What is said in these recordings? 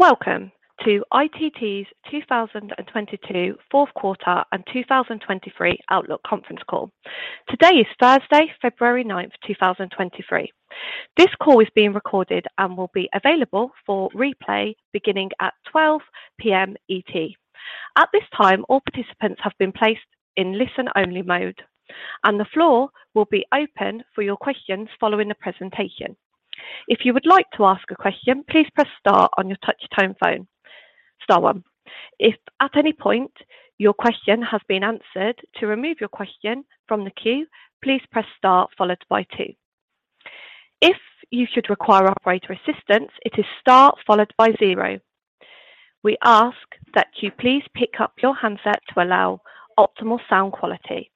Welcome to ITT's 2022 fourth quarter and 2023 outlook conference call. Today is Thursday, February 9, 2023. This call is being recorded and will be available for replay beginning at 12:00 P.M. ET. At this time, all participants have been placed in listen-only mode, and the floor will be open for your questions following the presentation. If you would like to ask a question, please press star on your touchtone phone, star one. If at any point your question has been answered, to remove your question from the queue, please press star followed by two. If you should require operator assistance, it is star followed by zero. We ask that you please pick up your handset to allow optimal sound quality.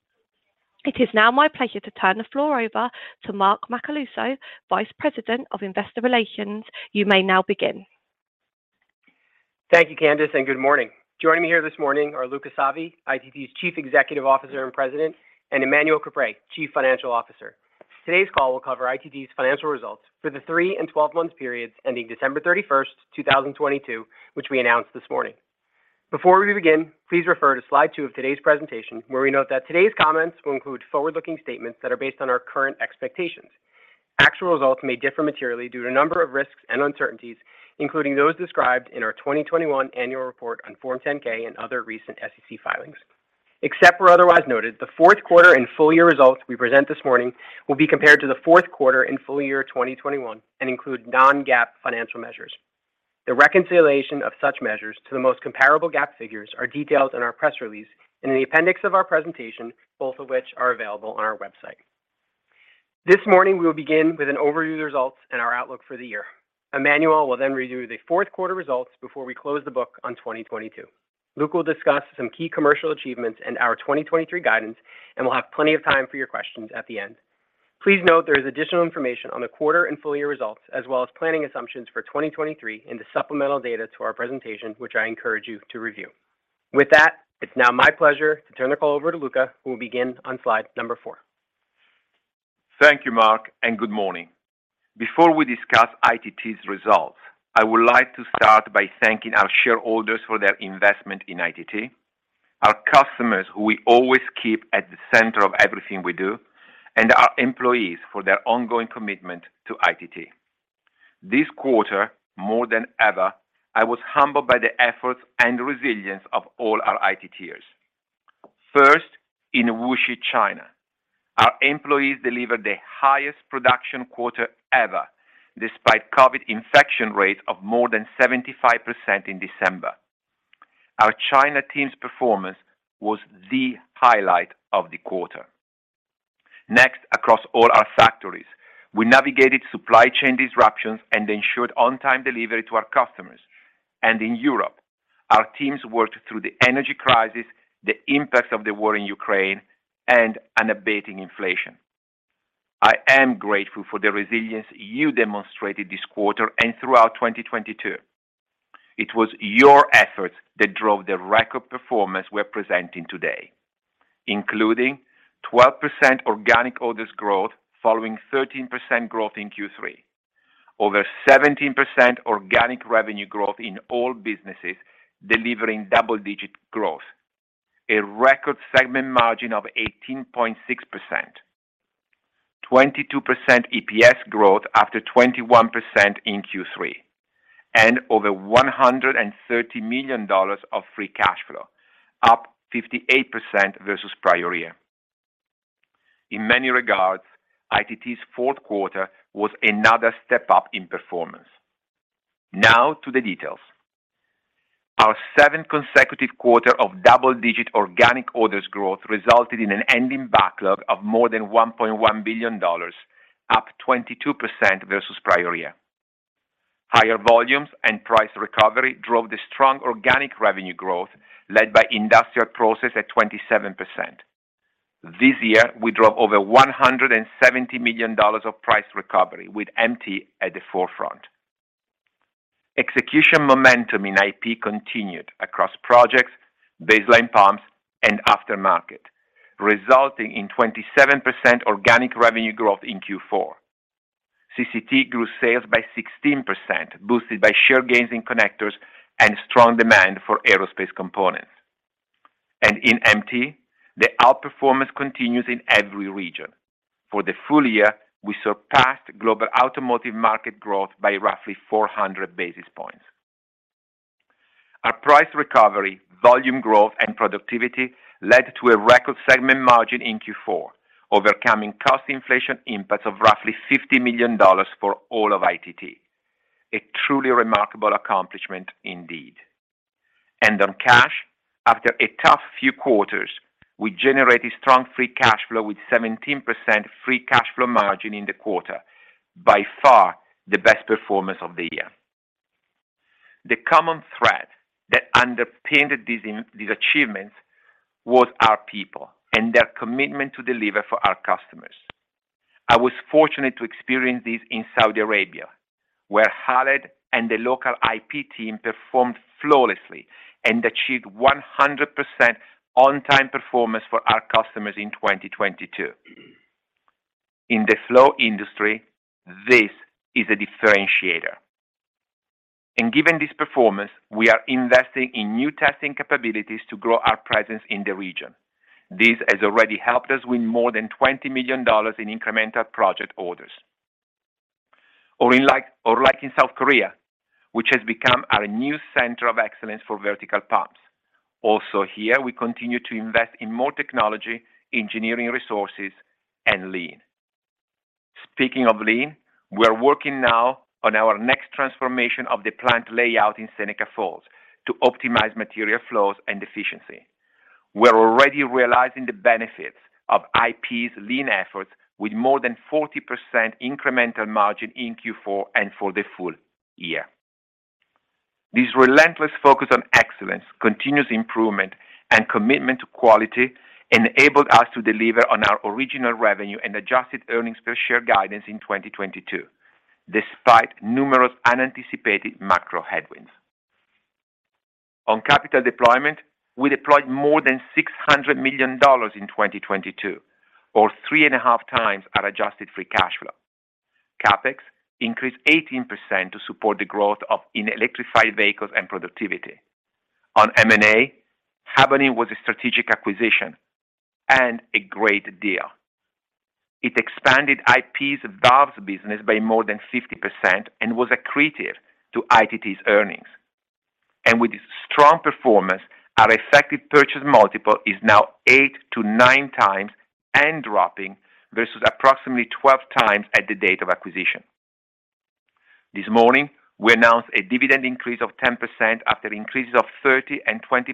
It is now my pleasure to turn the floor over to Mark Macaluso, Vice President of Investor Relations. You may now begin. Thank you, Candice, and good morning. Joining me here this morning are Luca Savi, ITT's Chief Executive Officer and President, and Emmanuel Caprais, Chief Financial Officer. Today's call will cover ITT's financial results for the three and 12-month periods ending December 31, 2022, which we announced this morning. Before we begin, please refer to slide two of today's presentation, where we note that today's comments will include forward-looking statements that are based on our current expectations. Actual results may differ materially due to a number of risks and uncertainties, including those described in our 2021 annual report on Form 10-K and other recent SEC filings. Except where otherwise noted, the fourth quarter and full-year results we present this morning will be compared to the fourth quarter and full year 2021 and include non-GAAP financial measures. The reconciliation of such measures to the most comparable GAAP figures are detailed in our press release in the appendix of our presentation, both of which are available on our website. This morning we will begin with an overview of the results and our outlook for the year. Emmanuel will then review the fourth quarter results before we close the book on 2022. Luke will discuss some key commercial achievements and our 2023 guidance, and we'll have plenty of time for your questions at the end. Please note there is additional information on the quarter and full year results as well as planning assumptions for 2023 in the supplemental data to our presentation, which I encourage you to review. With that, it's now my pleasure to turn the call over to Luca, who will begin on slide number four. Thank you, Mark, and good morning. Before we discuss ITT's results, I would like to start by thanking our shareholders for their investment in ITT, our customers who we always keep at the center of everything we do, and our employees for their ongoing commitment to ITT. This quarter, more than ever, I was humbled by the efforts and resilience of all our ITTers. First, in Wuxi, China, our employees delivered the highest production quarter ever, despite COVID infection rates of more than 75% in December. Our China team's performance was the highlight of the quarter. Next, across all our factories, we navigated supply chain disruptions and ensured on-time delivery to our customers. In Europe, our teams worked through the energy crisis, the impacts of the war in Ukraine and unabating inflation. I am grateful for the resilience you demonstrated this quarter and throughout 2022. It was your efforts that drove the record performance we're presenting today, including 12% organic orders growth following 13% growth in Q3, over 17% organic revenue growth in all businesses, delivering double-digit growth, a record segment margin of 18.6%, 22% EPS growth after 21% in Q3, and over $130 million of free cash flow, up 58% versus prior year. In many regards, ITT's fourth quarter was another step up in performance. Now to the details. Our seventh consecutive quarter of double-digit organic orders growth resulted in an ending backlog of more than $1.1 billion, up 22% versus prior year. Higher volumes and price recovery drove the strong organic revenue growth led by Industrial Process at 27%. This year, we drove over $170 million of price recovery with MT at the forefront. Execution momentum in IP continued across projects, baseline pumps and aftermarket, resulting in 27% organic revenue growth in Q4. CCT grew sales by 16%, boosted by share gains in connectors and strong demand for aerospace components. In MT, the outperformance continues in every region. For the full year, we surpassed global automotive market growth by roughly 400 basis points. Our price recovery, volume growth and productivity led to a record segment margin in Q4, overcoming cost inflation impacts of roughly $50 million for all of ITT. A truly remarkable accomplishment indeed. On cash, after a tough few quarters, we generated strong free cash flow with 17% free cash flow margin in the quarter. By far the best performance of the year. The common thread that underpinned these achievements was our people and their commitment to deliver for our customers. I was fortunate to experience this in Saudi Arabia, where Khaled and the local IP team performed flawlessly and achieved 100% on-time performance for our customers in 2022. In the flow industry, this is a differentiator. Given this performance, we are investing in new testing capabilities to grow our presence in the region. This has already helped us win more than $20 million in incremental project orders. Or like in South Korea, which has become our new center of excellence for vertical pumps. Also here, we continue to invest in more technology, engineering resources, and lean. Speaking of lean, we're working now on our next transformation of the plant layout in Seneca Falls to optimize material flows and efficiency. We're already realizing the benefits of IP's lean efforts with more than 40% incremental margin in Q4 and for the full year. This relentless focus on excellence, continuous improvement, and commitment to quality enabled us to deliver on our original revenue and adjusted earnings per share guidance in 2022, despite numerous unanticipated macro headwinds. On capital deployment, we deployed more than $600 million in 2022 or 3.5x our adjusted free cash flow. CapEx increased 18% to support the growth of in electrified vehicles and productivity. On M&A, Habonim was a strategic acquisition and a great deal. It expanded IP's valves business by more than 50% and was accretive to ITT's earnings. With its strong performance, our effective purchase multiple is now 8-9x and dropping versus approximately 12x at the date of acquisition. This morning, we announced a dividend increase of 10% after increases of 30% and 20%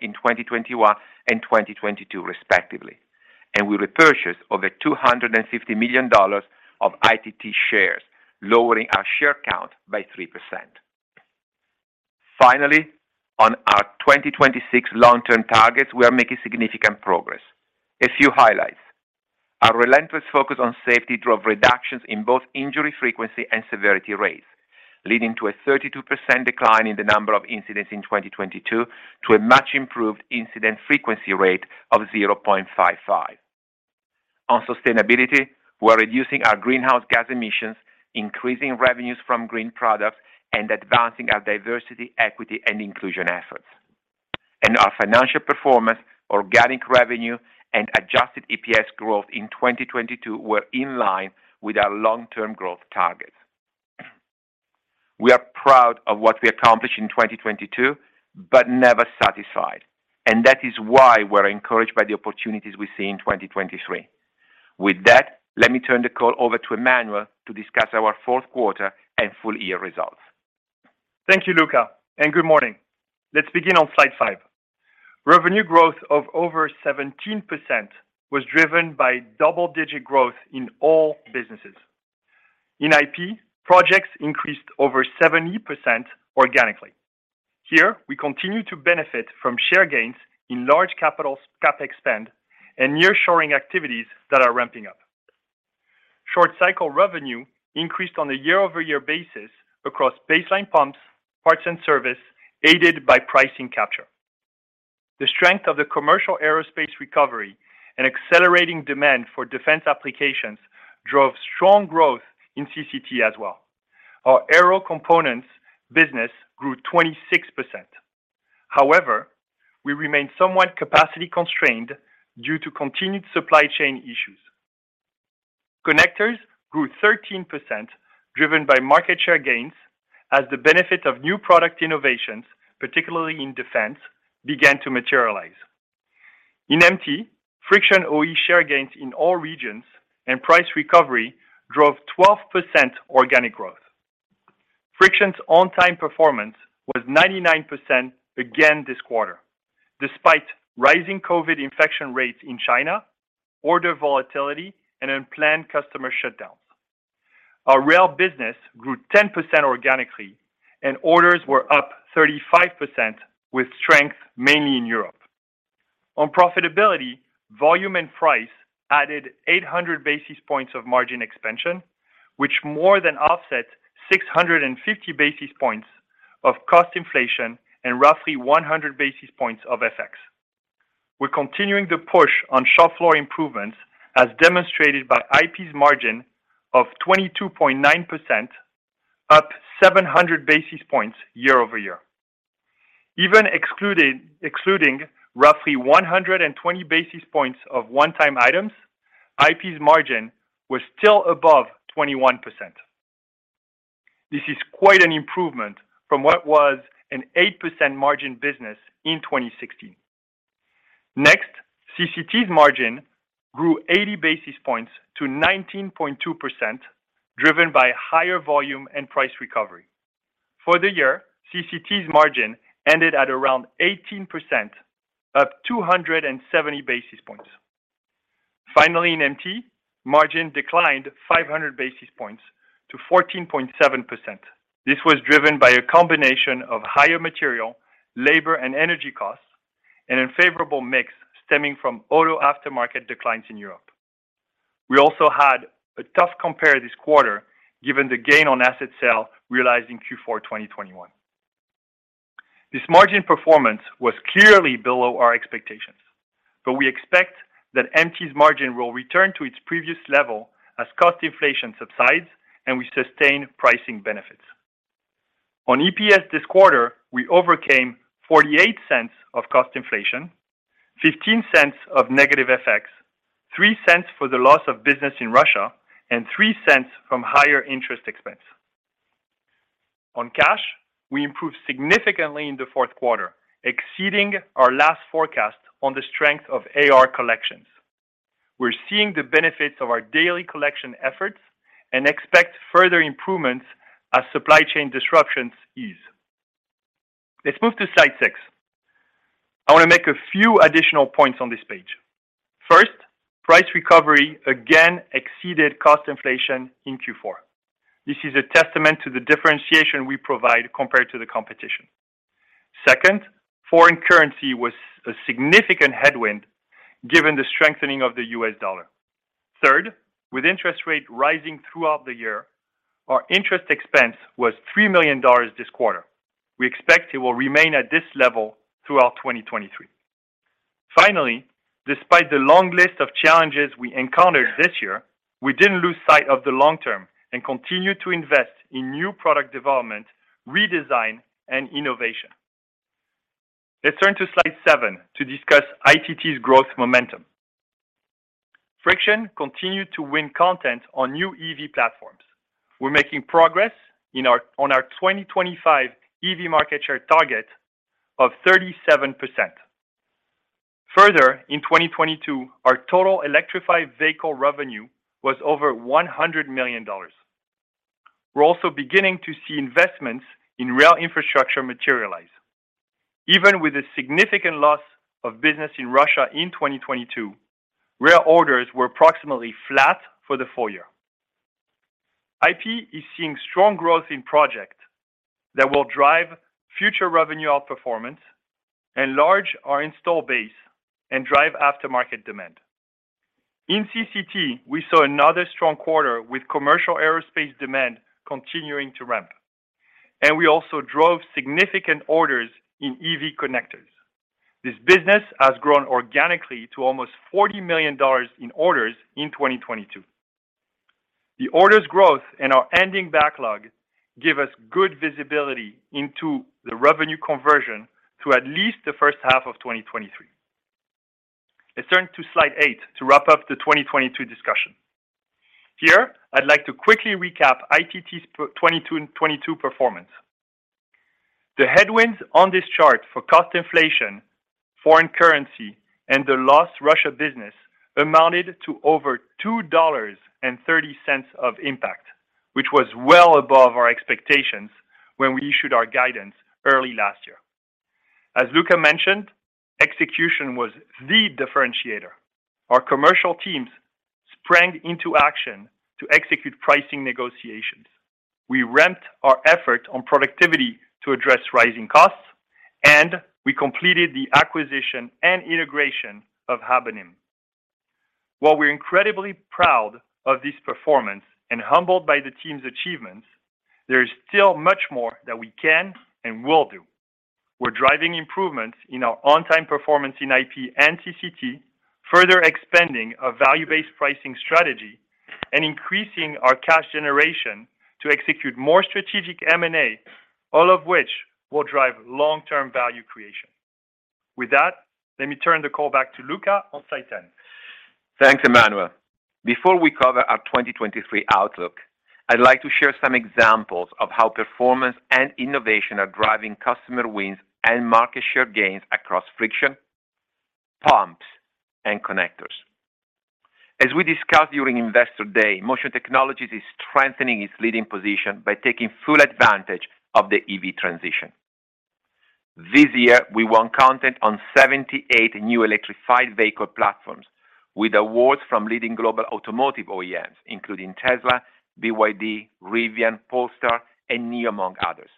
in 2021 and 2022 respectively, and we repurchased over $250 million of ITT shares, lowering our share count by 3%. Finally, on our 2026 long-term targets, we are making significant progress. A few highlights. Our relentless focus on safety drove reductions in both injury frequency and severity rates, leading to a 32% decline in the number of incidents in 2022 to a much improved incident frequency rate of 0.55. On sustainability, we're reducing our greenhouse gas emissions, increasing revenues from green products, and advancing our diversity, equity, and inclusion efforts. Our financial performance, organic revenue, and Adjusted EPS growth in 2022 were in line with our long-term growth targets. We are proud of what we accomplished in 2022, but never satisfied, and that is why we're encouraged by the opportunities we see in 2023. With that, let me turn the call over to Emmanuel to discuss our fourth quarter and full year results. Thank you, Luca. Good morning. Let's begin on slide five. Revenue growth of over 17% was driven by double-digit growth in all businesses. In IP, projects increased over 70% organically. Here, we continue to benefit from share gains in large capital CapEx spend and nearshoring activities that are ramping up. Short cycle revenue increased on a year-over-year basis across baseline pumps, parts and service, aided by pricing capture. The strength of the commercial aerospace recovery and accelerating demand for defense applications drove strong growth in CCT as well. Our aero components business grew 26%. We remain somewhat capacity constrained due to continued supply chain issues. Connectors grew 13% driven by market share gains as the benefit of new product innovations, particularly in defense, began to materialize. In MT, Friction OE share gains in all regions and price recovery drove 12% organic growth. Friction's on time performance was 99% again this quarter despite rising COVID infection rates in China, order volatility, and unplanned customer shutdowns. Our rail business grew 10% organically and orders were up 35% with strength mainly in Europe. On profitability, volume and price added 800 basis points of margin expansion, which more than offset 650 basis points of cost inflation and roughly 100 basis points of FX. We're continuing the push on shop floor improvements as demonstrated by IP's margin of 22.9%, up 700 basis points year-over-year. Even excluding roughly 120 basis points of one-time items, IP's margin was still above 21%. This is quite an improvement from what was an 8% margin business in 2016. CCT's margin grew 80 basis points to 19.2%, driven by higher volume and price recovery. For the year, CCT's margin ended at around 18%, up 270 basis points. In MT, margin declined 500 basis points to 14.7%. This was driven by a combination of higher material, labor, and energy costs, and an unfavorable mix stemming from auto aftermarket declines in Europe. We also had a tough compare this quarter given the gain on asset sale realized in Q4 2021. This margin performance was clearly below our expectations, but we expect that MT's margin will return to its previous level as cost inflation subsides and we sustain pricing benefits. On EPS this quarter, we overcame $0.48 of cost inflation, $0.15 of negative FX, $0.03 for the loss of business in Russia, and $0.03 from higher interest expense. On cash, we improved significantly in the fourth quarter, exceeding our last forecast on the strength of AR collections. We're seeing the benefits of our daily collection efforts and expect further improvements as supply chain disruptions ease. Let's move to slide six. I want to make a few additional points on this page. First, price recovery again exceeded cost inflation in Q4. This is a testament to the differentiation we provide compared to the competition. Second, foreign currency was a significant headwind given the strengthening of the US dollar. Third, with interest rate rising throughout the year, our interest expense was $3 million this quarter. We expect it will remain at this level throughout 2023. Finally, despite the long list of challenges we encountered this year, we didn't lose sight of the long term and continued to invest in new product development, redesign, and innovation. Let's turn to slide seven to discuss ITT's growth momentum. Friction continued to win content on new EV platforms. We're making progress on our 2025 EV market share target of 37%. Further, in 2022, our total electrified vehicle revenue was over $100 million. We're also beginning to see investments in rail infrastructure materialize. Even with a significant loss of business in Russia in 2022, rail orders were approximately flat for the full year. IP is seeing strong growth in project that will drive future revenue outperformance, enlarge our install base, and drive aftermarket demand. In CCT, we saw another strong quarter with commercial aerospace demand continuing to ramp. We also drove significant orders in EV connectors. This business has grown organically to almost $40 million in orders in 2022. The orders growth and our ending backlog give us good visibility into the revenue conversion through at least the first half of 2023. Let's turn to slide eight to wrap up the 2022 discussion. Here, I'd like to quickly recap ITT's 2022 performance. The headwinds on this chart for cost inflation, foreign currency, and the lost Russia business amounted to over $2.30 of impact, which was well above our expectations when we issued our guidance early last year. As Luca mentioned, execution was the differentiator. Our commercial teams sprang into action to execute pricing negotiations. We ramped our effort on productivity to address rising costs, and we completed the acquisition and integration of Habonim. While we're incredibly proud of this performance and humbled by the team's achievements, there is still much more that we can and will do. We're driving improvements in our on time performance in IP and CCT, further expanding a value-based pricing strategy, and increasing our cash generation to execute more strategic M&A, all of which will drive long-term value creation. With that, let me turn the call back to Luca on slide 10. Thanks, Emmanuel. Before we cover our 2023 outlook, I'd like to share some examples of how performance and innovation are driving customer wins and market share gains across Friction, pumps, and connectors. As we discussed during Investor Day, Motion Technologies is strengthening its leading position by taking full advantage of the EV transition. This year, we won content on 78 new electrified vehicle platforms with awards from leading global automotive OEMs, including Tesla, BYD, Rivian, Polestar, and NIO, among others.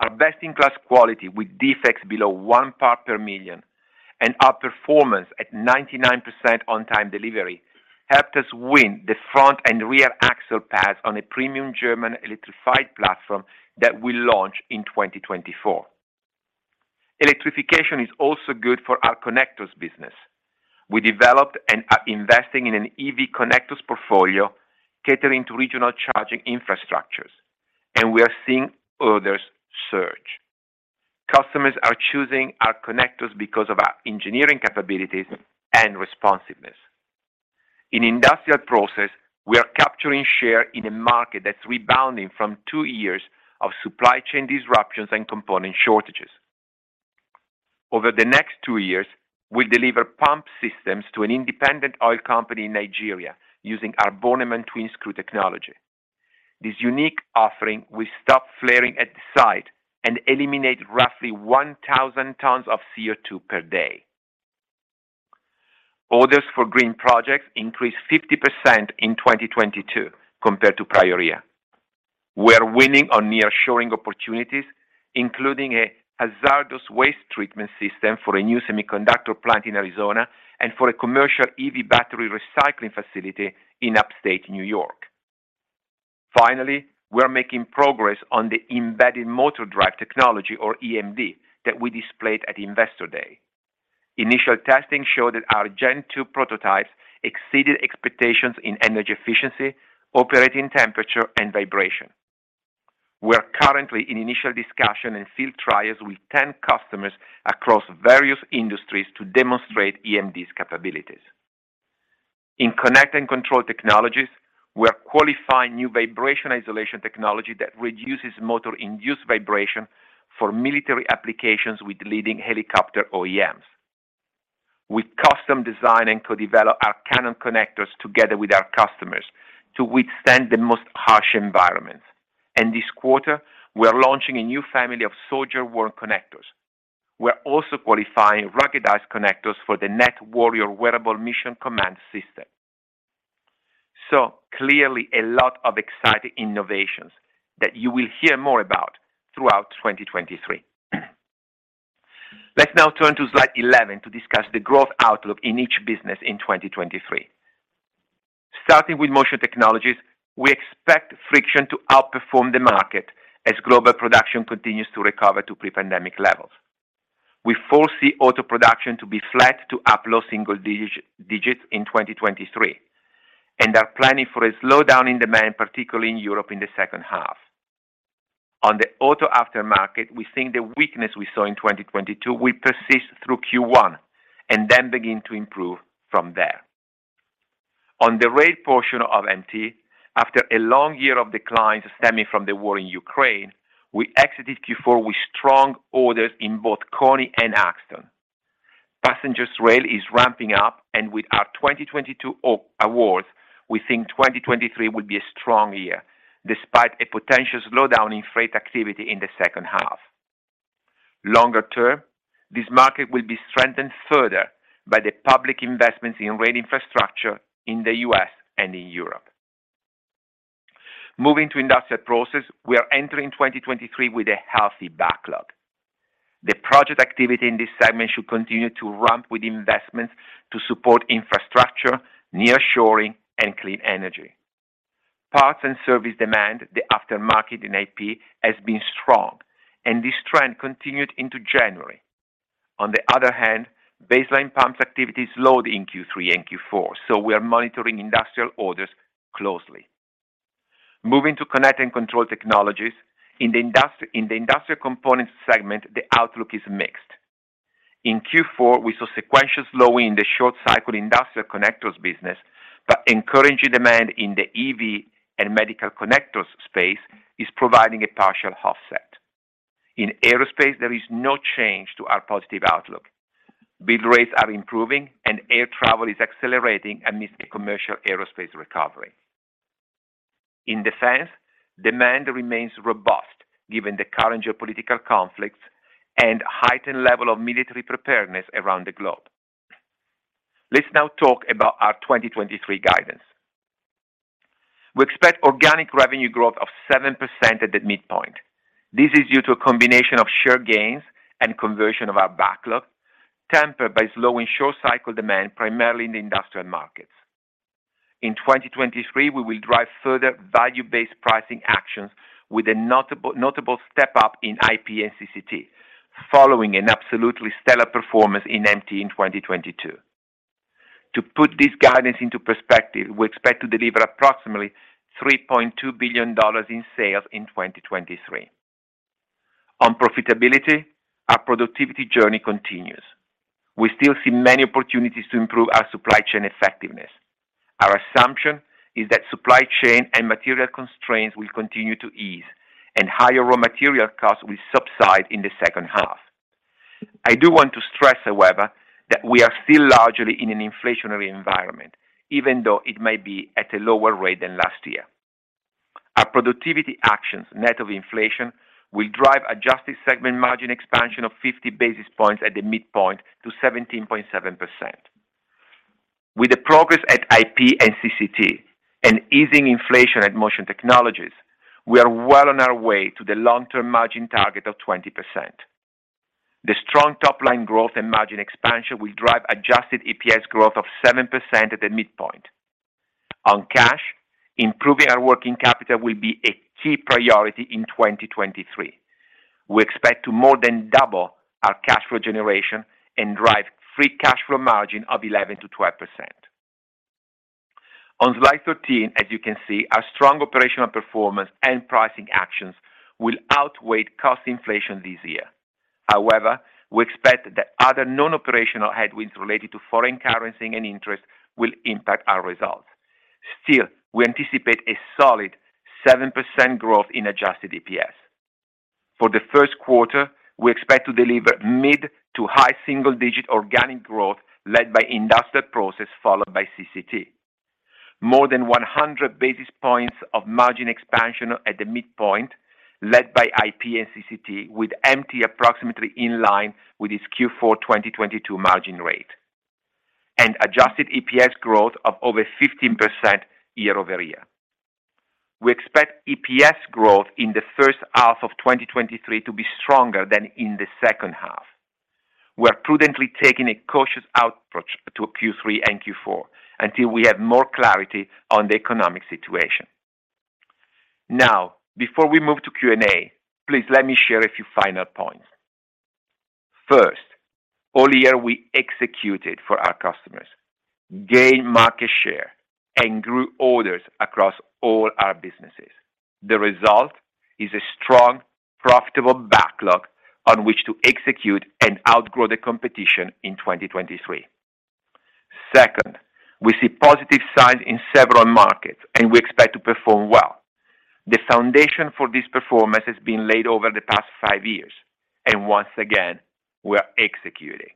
Our best-in-class quality with defects below onepart per million and our performance at 99% on-time delivery helped us win the front and rear axle pads on a premium German electrified platform that will launch in 2024. Electrification is also good for our connectors business. We developed and are investing in an EV connectors portfolio catering to regional charging infrastructures, and we are seeing orders surge. Customers are choosing our connectors because of our engineering capabilities and responsiveness. In Industrial Process, we are capturing share in a market that's rebounding from two years of supply chain disruptions and component shortages. Over the next two years, we'll deliver pump systems to an independent oil company in Nigeria using our Bornemann twin-screw technology. This unique offering will stop flaring at the site and eliminate roughly 1,000 tons of CO2 per day. Orders for green projects increased 50% in 2022 compared to prior year. We're winning on near shoring opportunities, including a hazardous waste treatment system for a new semiconductor plant in Arizona and for a commercial EV battery recycling facility in Upstate New York. Finally, we are making progress on the Embedded Motor Drive technology or EMD that we displayed at Investor Day. Initial testing showed that our Gen 2 prototypes exceeded expectations in energy efficiency, operating temperature, and vibration. We are currently in initial discussion and field trials with 10 customers across various industries to demonstrate EMD's capabilities. In Connect and Control Technologies, we are qualifying new vibration isolation technology that reduces motor-induced vibration for military applications with leading helicopter OEMs. We custom design and co-develop our Cannon connectors together with our customers to withstand the most harsh environments. This quarter, we are launching a new family of soldier-worn connectors. We're also qualifying ruggedized connectors for the Nett Warrior Wearable Mission Command System. Clearly a lot of exciting innovations that you will hear more about throughout 2023. Let's now turn to slide 11 to discuss the growth outlook in each business in 2023. Starting with Motion Technologies, we expect Friction to outperform the market as global production continues to recover to pre-pandemic levels. We foresee auto production to be flat to up low single digits in 2023, are planning for a slowdown in demand, particularly in Europe in the second half. On the auto aftermarket, we think the weakness we saw in 2022 will persist through Q1 and then begin to improve from there. On the rail portion of MT, after a long year of declines stemming from the war in Ukraine, we exited Q4 with strong orders in both KONI and Axtone. Passenger rail is ramping up and with our 2022 awards, we think 2023 will be a strong year, despite a potential slowdown in freight activity in the second half. Longer term, this market will be strengthened further by the public investments in rail infrastructure in the U.S. and in Europe. Moving to Industrial Process, we are entering 2023 with a healthy backlog. The project activity in this segment should continue to ramp with investments to support infrastructure, nearshoring, and clean energy. Parts and service demand, the aftermarket in IP, has been strong, and this trend continued into January. On the other hand, baseline pumps activity slowed in Q3 and Q4, so we are monitoring industrial orders closely. Moving to Connect and Control Technologies. In the industrial components segment, the outlook is mixed. In Q4, we saw sequential slowing in the short cycle industrial connectors business, but encouraging demand in the EV and medical connectors space is providing a partial offset. In aerospace, there is no change to our positive outlook. Bid rates are improving. Air travel is accelerating amidst a commercial aerospace recovery. In defense, demand remains robust given the current geopolitical conflicts and heightened level of military preparedness around the globe. Let's now talk about our 2023 guidance. We expect organic revenue growth of 7% at the midpoint. This is due to a combination of share gains and conversion of our backlog, tempered by slowing short cycle demand, primarily in the industrial markets. In 2023, we will drive further value-based pricing actions with a notable step-up in IP and CCT, following an absolutely stellar performance in MT in 2022. To put this guidance into perspective, we expect to deliver approximately $3.2 billion in sales in 2023. On profitability, our productivity journey continues. We still see many opportunities to improve our supply chain effectiveness. Our assumption is that supply chain and material constraints will continue to ease and higher raw material costs will subside in the second half. I do want to stress, however, that we are still largely in an inflationary environment, even though it may be at a lower rate than last year. Our productivity actions, net of inflation, will drive adjusted segment margin expansion of 50 basis points at the midpoint to 17.7%. With the progress at IP and CCT and easing inflation at Motion Technologies, we are well on our way to the long-term margin target of 20%. The strong top-line growth and margin expansion will drive Adjusted EPS growth of 7% at the midpoint. On cash, improving our working capital will be a key priority in 2023. We expect to more than double our cash flow generation and drive free cash flow margin of 11%-12%. On slide 13, as you can see, our strong operational performance and pricing actions will outweigh cost inflation this year. We expect that other non-operational headwinds related to foreign currency and interest will impact our results. We anticipate a solid 7% growth in Adjusted EPS. For the first quarter, we expect to deliver mid to high single-digit organic growth led by Industrial Process followed by CCT. More than 100 basis points of margin expansion at the midpoint led by IP and CCT, with MT approximately in line with its Q4 2022 margin rate. Adjusted EPS growth of over 15% year-over-year. We expect EPS growth in the first half of 2023 to be stronger than in the second half. We're prudently taking a cautious approach to Q3 and Q4 until we have more clarity on the economic situation. Now, before we move to Q&A, please let me share a few final points. First, all year we executed for our customers, gained market share, and grew orders across all our businesses. The result is a strong, profitable backlog on which to execute and outgrow the competition in 2023. Second, we see positive signs in several markets and we expect to perform well. The foundation for this performance has been laid over the past five years, and once again, we are executing.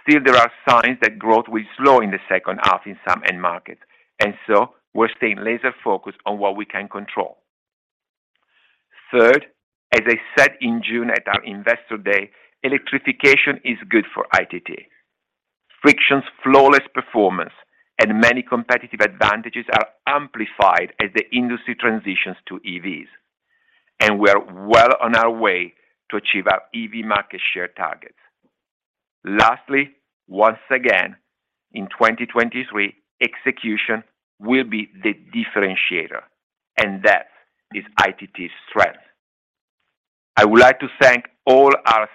Still, there are signs that growth will slow in the second half in some end markets, and so we're staying laser focused on what we can control. Third, as I said in June at our Investor Day, electrification is good for ITT. Friction's flawless performance and many competitive advantages are amplified as the industry transitions to EVs. We are well on our way to achieve our EV market share targets. Lastly, once again, in 2023 execution will be the differentiator. That is ITT's strength. I would like to thank all our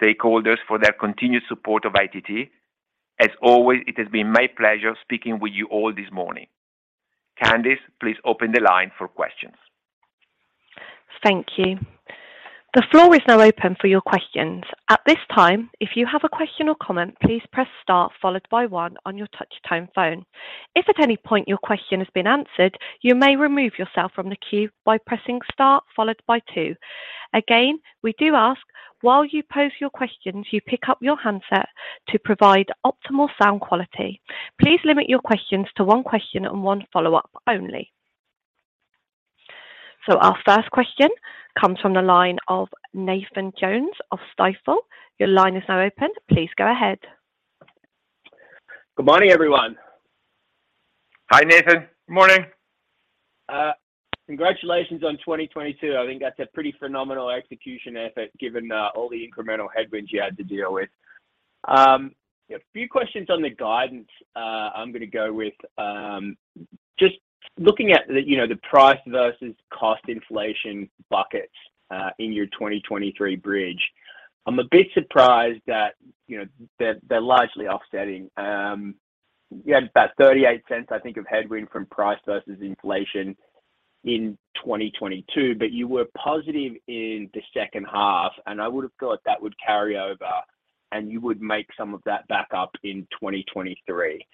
stakeholders for their continued support of ITT. As always, it has been my pleasure speaking with you all this morning. Candice, please open the line for questions. Thank you. The floor is now open for your questions. At this time, if you have a question or comment, please press star followed by one on your touch tone phone. If at any point your question has been answered, you may remove yourself from the queue by pressing star followed by two. Again, we do ask while you pose your questions, you pick up your handset to provide optimal sound quality. Please limit your questions to one question and one follow-up only. Our first question comes from the line of Nathan Jones of Stifel. Your line is now open. Please go ahead. Good morning, everyone. Hi, Nathan. Good morning. Congratulations on 2022. I think that's a pretty phenomenal execution effort given all the incremental headwinds you had to deal with. A few questions on the guidance I'm going to go with. Just looking at the, you know, the price versus cost inflation buckets in your 2023 bridge. I'm a bit surprised that, you know, they're largely offsetting. You had about $0.38 I think of headwind from price versus inflation in 2022, but you were positive in the second half, and I would have thought that would carry over, and you would make some of that back up in 2023.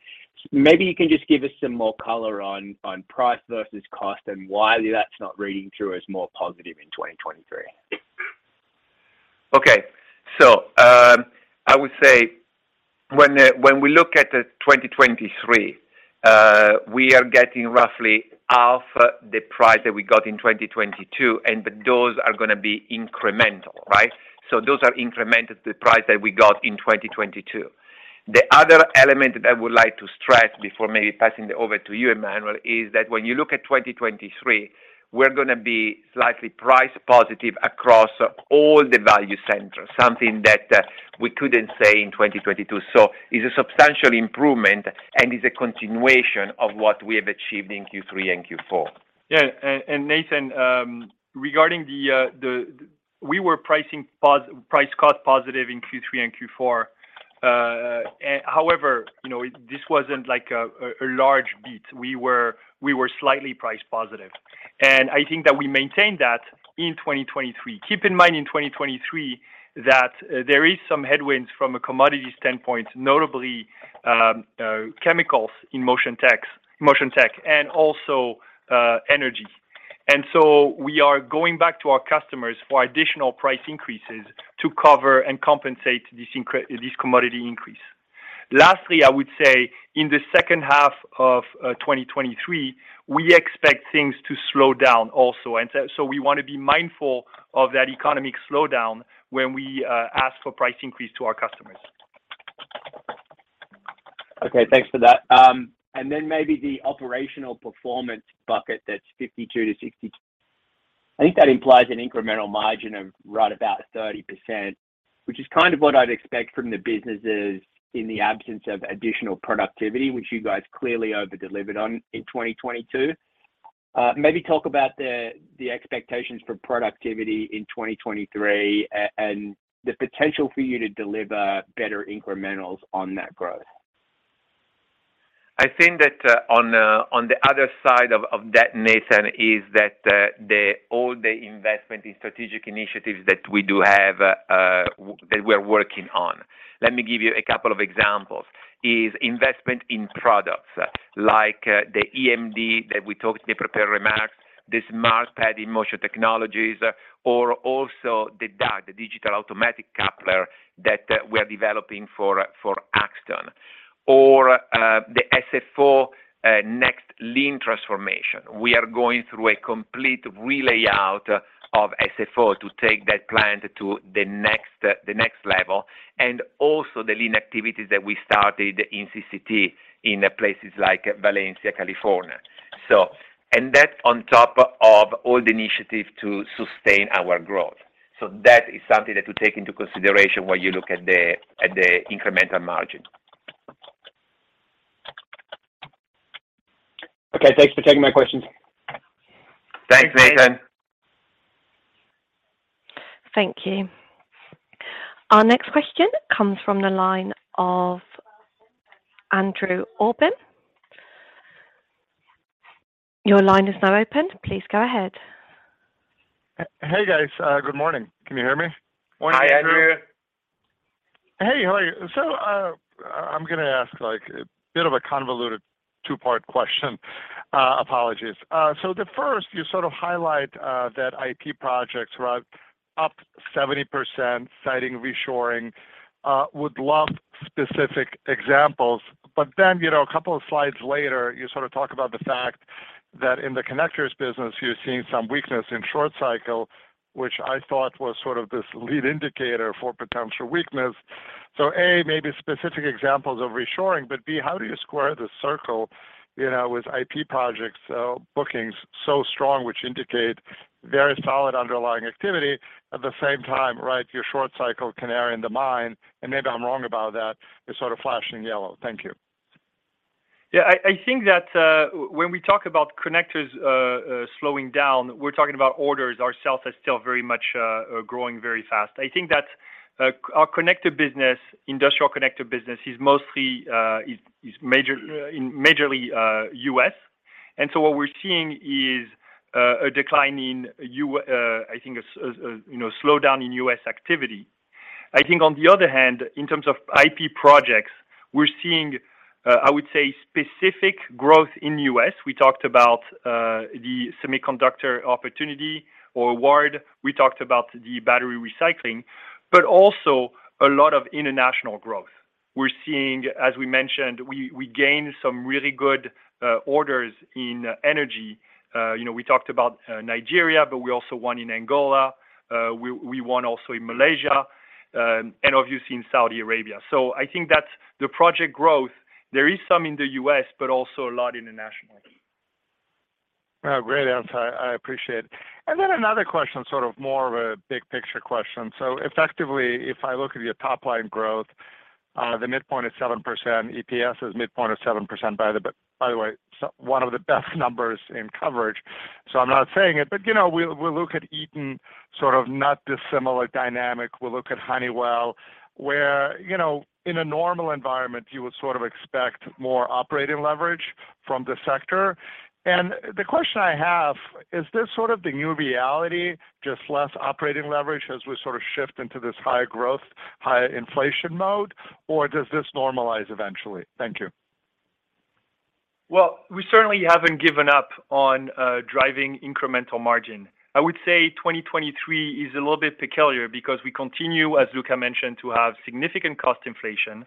Maybe you can just give us some more color on price versus cost and why that's not reading through as more positive in 2023. Okay. I would say when we look at the 2023, we are getting roughly half the price that we got in 2022. But those are going to be incremental, right? Those are incremental to the price that we got in 2022. The other element that I would like to stress before maybe passing it over to you, Emmanuel, is that when you look at 2023, we are going to be slightly price positive across all the value centers, something that we could not say in 2022. It is a substantial improvement and is a continuation of what we have achieved in Q3 and Q4. Yeah. Nathan, regarding the we were price cost positive in Q3 and Q4. You know, this wasn't like a large beat. We were slightly price positive, and I think that we maintained that in 2023. Keep in mind in 2023 that there is some headwinds from a commodity standpoint, notably, chemicals in Motion Tech and also, energy. We are going back to our customers for additional price increases to cover and compensate this commodity increase. Lastly, I would say in the second half of 2023, we expect things to slow down also. We want to be mindful of that economic slowdown when we ask for price increase to our customers. Okay, thanks for that. Then maybe the operational performance bucket that's $52-$60. I think that implies an incremental margin of right about 30%, which is kind of what I'd expect from the businesses in the absence of additional productivity, which you guys clearly over-delivered on in 2022. Maybe talk about the expectations for productivity in 2023 and the potential for you to deliver better incrementals on that growth. I think that, on the other side of that, Nathan, is that, the all day investment in strategic initiatives that we do have, that we're working on. Let me give you a couple of examples. Is investment in products like the EMD that we talked in the prepared remarks, the Smart Pad in Motion Technologies, or also the DAC, the Digital Automatic Coupler that we are developing for Axtone. The SFO next lean transformation. We are going through a complete re-layout of SFO to take that plant to the next level. Also the lean activities that we started in CCT in places like Valencia, California. That's on top of all the initiatives to sustain our growth. That is something that you take into consideration when you look at the, at the incremental margin. Okay, thanks for taking my questions. Thanks, Nathan. Thank you. Our next question comes from the line of Andrew Obin. Your line is now open. Please go ahead. Hey, guys. Good morning. Can you hear me? Morning, Andrew. Hi, Andrew. Hey, how are you? I'm gonna ask, like, a bit of a convoluted two-part question. Apologies. The first, you sort of highlight that IP projects were up 70%, citing reshoring, would love specific examples. You know, a couple of slides later, you sort of talk about the fact that in the connectors business, you're seeing some weakness in short cycle, which I thought was sort of this lead indicator for potential weakness. A, maybe specific examples of reshoring, B, how do you square the circle, you know, with IP projects bookings so strong, which indicate very solid underlying activity at the same time, right? Your short cycle canary in the mine, maybe I'm wrong about that, is sort of flashing yellow. Thank you. Yeah, I think that when we talk about connectors slowing down, we're talking about orders ourselves as still very much growing very fast. I think that our connector business, industrial connector business is mostly is majorly U.S. What we're seeing is a decline in, I think, a, you know, slowdown in U.S. activity. I think on the other hand, in terms of IP projects, we're seeing, I would say, specific growth in U.S. We talked about the semiconductor opportunity or award. We talked about the battery recycling, also a lot of international growth. We're seeing, as we mentioned, we gained some really good orders in energy. You know, we talked about Nigeria, but we also won in Angola. We won also in Malaysia, obviously in Saudi Arabia. I think that the project growth, there is some in the US, but also a lot internationally. Oh, great answer. I appreciate it. Another question, sort of more of a big picture question. Effectively, if I look at your top line growth, the midpoint is 7%, EPS's midpoint is 7%, by the way, one of the best numbers in coverage. I'm not saying it, but you know, we look at Eaton, sort of not dissimilar dynamic. We look at Honeywell, where, you know, in a normal environment, you would sort of expect more operating leverage from the sector. The question I have, is this sort of the new reality, just less operating leverage as we sort of shift into this high growth, high inflation mode, or does this normalize eventually? Thank you. Well, we certainly haven't given up on driving incremental margin. I would say 2023 is a little bit peculiar because we continue, as Luca mentioned, to have significant cost inflation.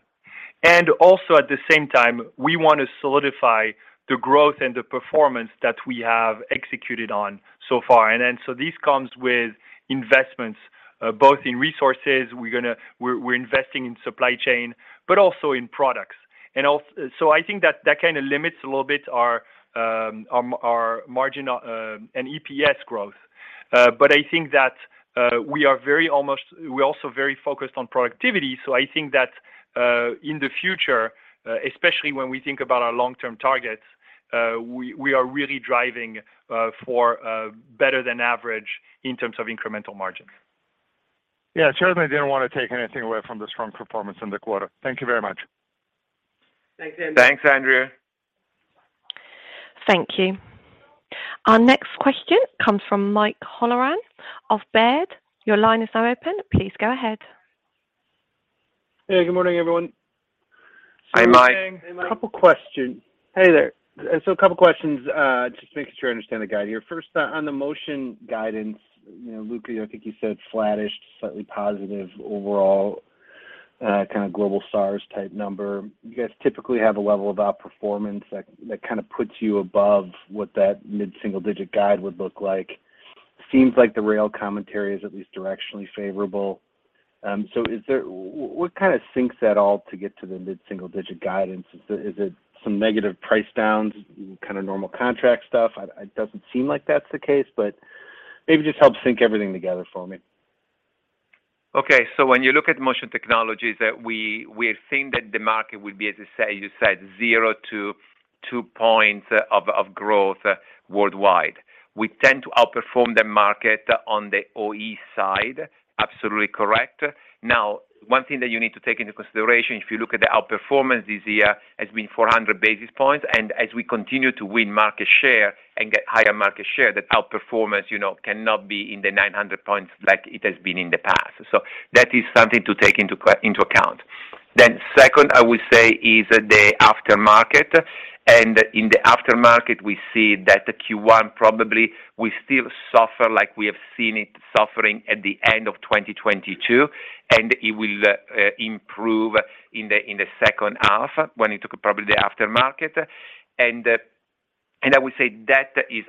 Also at the same time, we want to solidify the growth and the performance that we have executed on so far. This comes with investments, both in resources, we're investing in supply chain, but also in products. I think that that kinda limits a little bit our, our margin, and EPS growth. But I think that we are also very focused on productivity. I think that in the future, especially when we think about our long-term targets, we are really driving for better than average in terms of incremental margin. Yeah. Certainly didn't want to take anything away from the strong performance in the quarter. Thank you very much. Thanks, Andrew. Thank you. Our next question comes from Mike Halloran of Baird. Your line is now open. Please go ahead. Hey, good morning, everyone. Hi, Mike. Hey, Mike. A couple questions. Hey there. A couple questions, just making sure I understand the guide here. First, on the motion guidance, you know, Luca, I think you said flattish, slightly positive overall, kinda global stars type number. You guys typically have a level of outperformance that kinda puts you above what that mid-single digit guide would look like. Seems like the rail commentary is at least directionally favorable. What kinda sinks that all to get to the mid-single digit guidance? Is it some negative price downs, kinda normal contract stuff? It doesn't seem like that's the case, but maybe just help sync everything together for me. When you look at Motion Technologies, we think that the market will be, as you said, zero-two points of growth worldwide. We tend to outperform the market on the OE side. Absolutely correct. One thing that you need to take into consideration, if you look at the outperformance this year, has been 400 basis points. As we continue to win market share and get higher market share, the outperformance, you know, cannot be in the 900 points like it has been in the past. That is something to take into account. Second, I would say, is the aftermarket. In the aftermarket, we see that the Q1 probably will still suffer like we have seen it suffering at the end of 2022, and it will improve in the second half when it took probably the aftermarket. I would say that is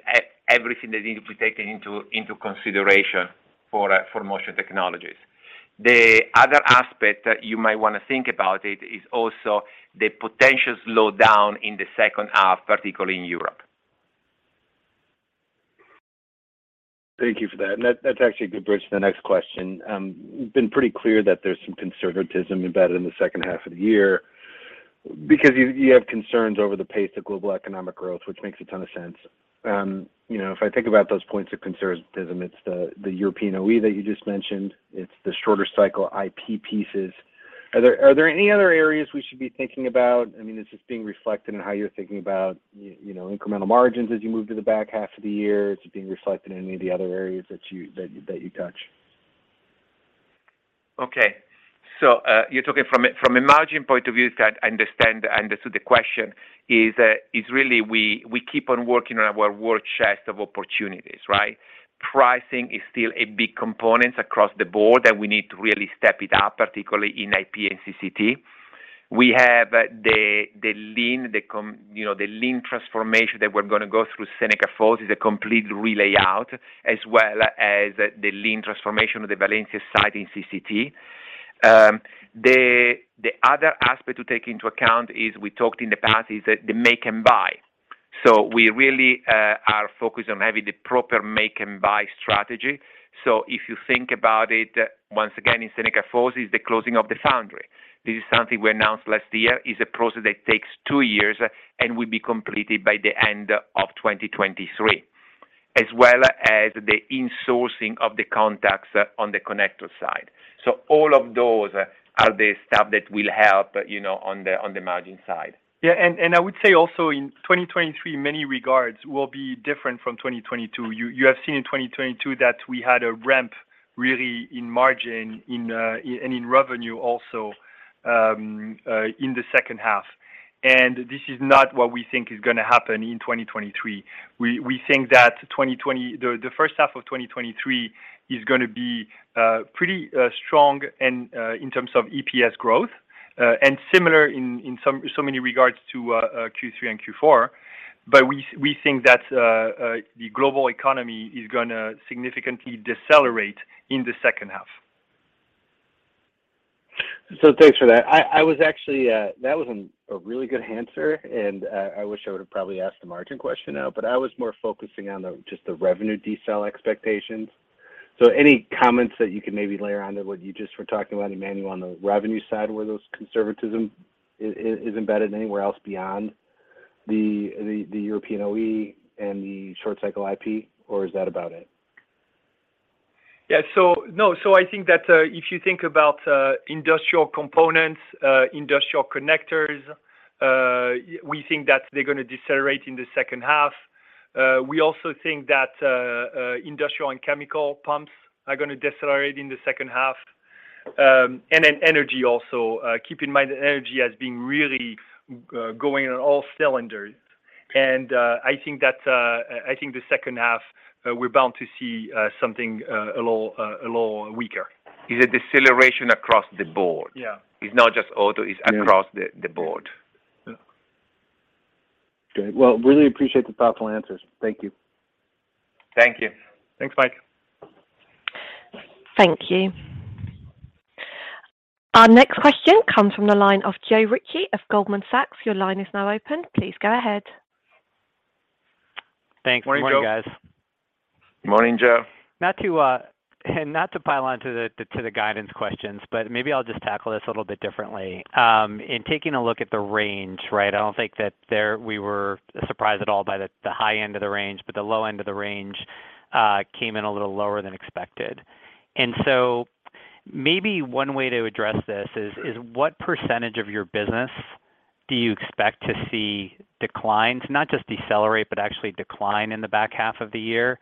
everything that needs to be taken into consideration for Motion Technologies. The other aspect that you might wanna think about it is also the potential slowdown in the second half, particularly in Europe. Thank you for that. That's actually a good bridge to the next question. You've been pretty clear that there's some conservatism embedded in the second half of the year because you have concerns over the pace of global economic growth, which makes a ton of sense. You know, if I think about those points of conservatism, it's the European OE that you just mentioned. It's the shorter cycle IP pieces. Are there any other areas we should be thinking about? I mean, is this being reflected in how you're thinking about you know, incremental margins as you move to the back half of the year? Is it being reflected in any of the other areas that you touch? Okay. You're talking from a margin point of view, Mike, I understand. I understood the question is really we keep on working on our war chest of opportunities, right? Pricing is still a big component across the board, and we need to really step it up, particularly in IP and CCT. We have the lean, you know, the lean transformation that we're gonna go through Seneca Falls is a complete re-layout, as well as the lean transformation of the Valencia site in CCT. The other aspect to take into account is we talked in the past, is the make and buy. We really are focused on having the proper make and buy strategy. If you think about it, once again, in Seneca Falls is the closing of the foundry. This is something we announced last year, is a process that takes two years and will be completed by the end of 2023. As well as the insourcing of the contacts on the connector side. All of those are the stuff that will help, you know, on the, on the margin side. Yeah. I would say also in 2023, many regards will be different from 2022. You have seen in 2022 that we had a ramp really in margin and in revenue also in the second half. This is not what we think is gonna happen in 2023. We think that the first half of 2023 is gonna be pretty strong and in terms of EPS growth and similar in so many regards to Q3 and Q4. We think that the global economy is gonna significantly decelerate in the second half. Thanks for that. I was actually a really good answer, and I wish I would've probably asked the margin question now, but I was more focusing on just the revenue decel expectations. Any comments that you could maybe layer onto what you just were talking about, Emmanuel, on the revenue side, where those conservatism is embedded anywhere else beyond the European OE and the short cycle IP, or is that about it? Yeah. No. I think that if you think about industrial components, industrial connectors, we think that they're gonna decelerate in the second half. We also think that industrial and chemical pumps are gonna decelerate in the second half. Then energy also. Keep in mind that energy as being really going on all cylinders. I think that I think the second half, we're bound to see something a little, a little weaker. It's a deceleration across the board. Yeah. It's not just auto. Yeah. It's across the board. Yeah. Okay. Well, really appreciate the thoughtful answers. Thank you. Thank you. Thanks, Mike. Thank you. Our next question comes from the line of Joe Ritchie of Goldman Sachs. Your line is now open. Please go ahead. Thanks. Morning, guys. Morning, Joe. Not to, not to pile on to the, to the guidance questions, maybe I'll just tackle this a little bit differently. In taking a look at the range, right? I don't think that there we were surprised at all by the high end of the range, but the low end of the range came in a little lower than expected. Maybe one way to address this is what percentage of your business do you expect to see declines, not just decelerate, but actually decline in the back half of the year?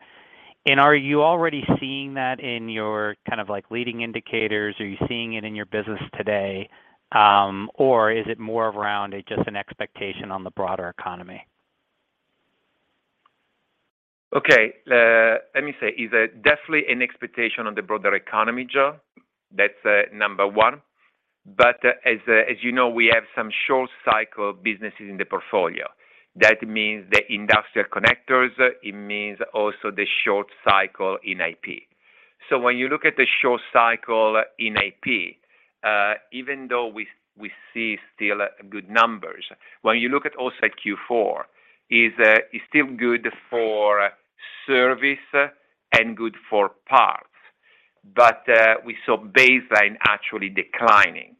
Are you already seeing that in your kind of like leading indicators? Are you seeing it in your business today, or is it more around just an expectation on the broader economy? Okay. Let me say, is definitely an expectation on the broader economy, Joe. That's number one. As you know, we have some short cycle businesses in the portfolio. That means the industrial connectors. It means also the short cycle in IP. When you look at the short cycle in IP, even though we see still good numbers, when you look at also Q4, is still good for service and good for parts. We saw baseline actually declining.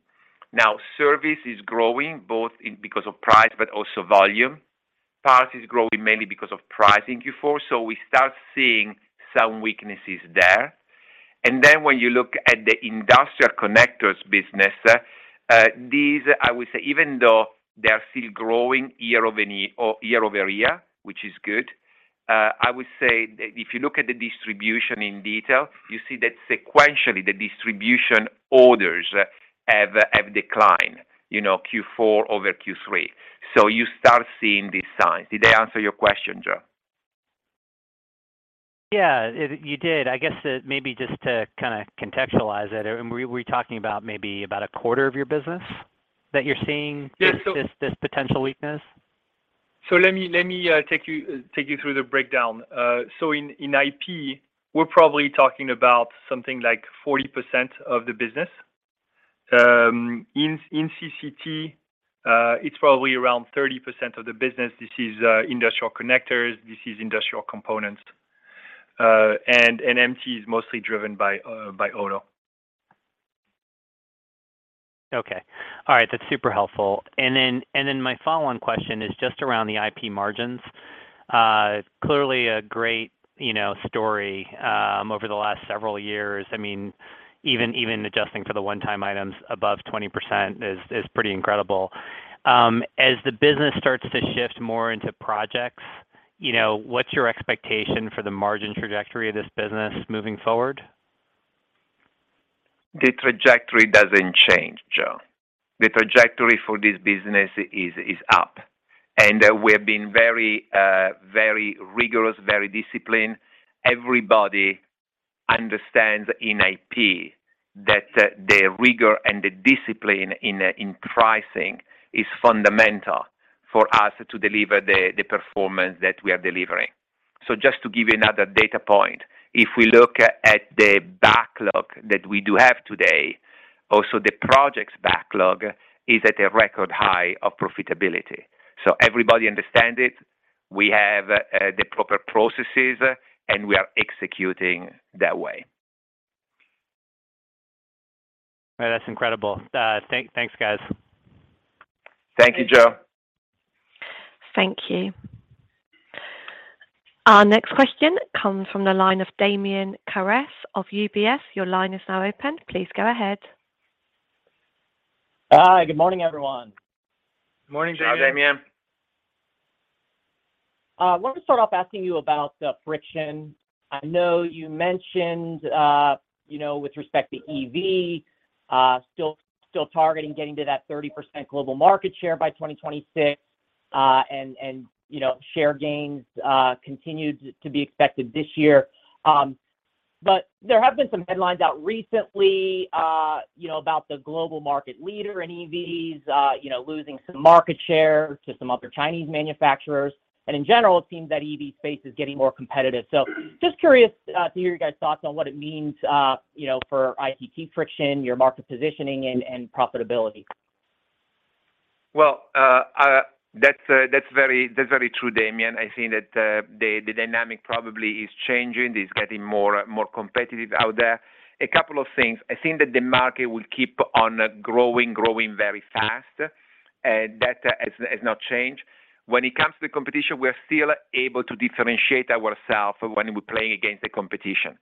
Now, service is growing both in, because of price, but also volume. Parts is growing mainly because of pricing Q4. We start seeing some weaknesses there. When you look at the industrial connectors business, these, I would say, even though they are still growing year-over-year, which is good, I would say if you look at the distribution in detail, you see that sequentially, the distribution orders have declined, you know, Q4 over Q3. You start seeing these signs. Did I answer your question, Joe? Yeah. You did. I guess maybe just to kinda contextualize it, we're talking about maybe about a quarter of your business that you're seeing- Yeah. This potential weakness? Let me take you through the breakdown. In IP, we're probably talking about something like 40% of the business. In CCT, it's probably around 30% of the business. This is industrial connectors. This is industrial components. MT is mostly driven by auto. Okay. All right. That's super helpful. My follow-on question is just around the IP margins. clearly a great, you know, story over the last several years. I mean, even adjusting for the one-time items above 20% is pretty incredible. As the business starts to shift more into projects, you know, what's your expectation for the margin trajectory of this business moving forward? The trajectory doesn't change, Joe. The trajectory for this business is up. We have been very rigorous, very disciplined. Everybody understands in IP that the rigor and the discipline in pricing is fundamental for us to deliver the performance that we are delivering. Just to give you another data point, if we look at the backlog that we do have today, also the project's backlog is at a record high of profitability. Everybody understand it. We have the proper processes, and we are executing that way. That's incredible. thanks, guys. Thank you, Joe. Thank you. Our next question comes from the line of Damian Karas of UBS. Your line is now open. Please go ahead. Hi. Good morning, everyone. Morning, Damian. Hi, Damian. Wanted to start off asking you about the Friction. I know you mentioned, you know, with respect to EV, still targeting getting to that 30% global market share by 2026, and, you know, share gains, continued to be expected this year. There have been some headlines out recently, you know, about the global market leader in EVs, you know, losing some market share to some other Chinese manufacturers. In general, it seems that EV space is getting more competitive. Just curious, to hear you guys' thoughts on what it means, you know, for ITT Friction, your market positioning and profitability. Well, that's very true, Damian. I think that the dynamic probably is changing. It's getting more competitive out there. A couple of things. I think that the market will keep on growing very fast, that has not changed. When it comes to competition, we are still able to differentiate ourselves when we're playing against the competition.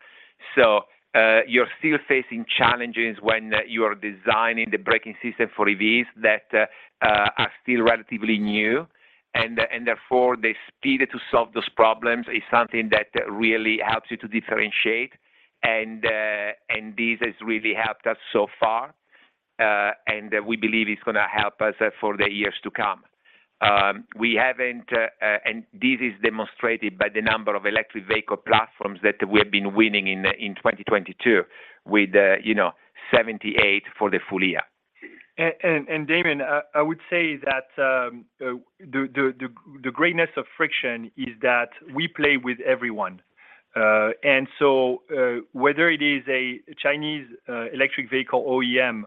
You're still facing challenges when you are designing the braking system for EVs that are still relatively new. And therefore, the speed to solve those problems is something that really helps you to differentiate. This has really helped us so far, and we believe it's gonna help us for the years to come. We haven't... This is demonstrated by the number of electric vehicle platforms that we have been winning in 2022 with, you know, 78 for the full year. Damian, I would say that the greatness of Friction is that we play with everyone. Whether it is a Chinese electric vehicle OEM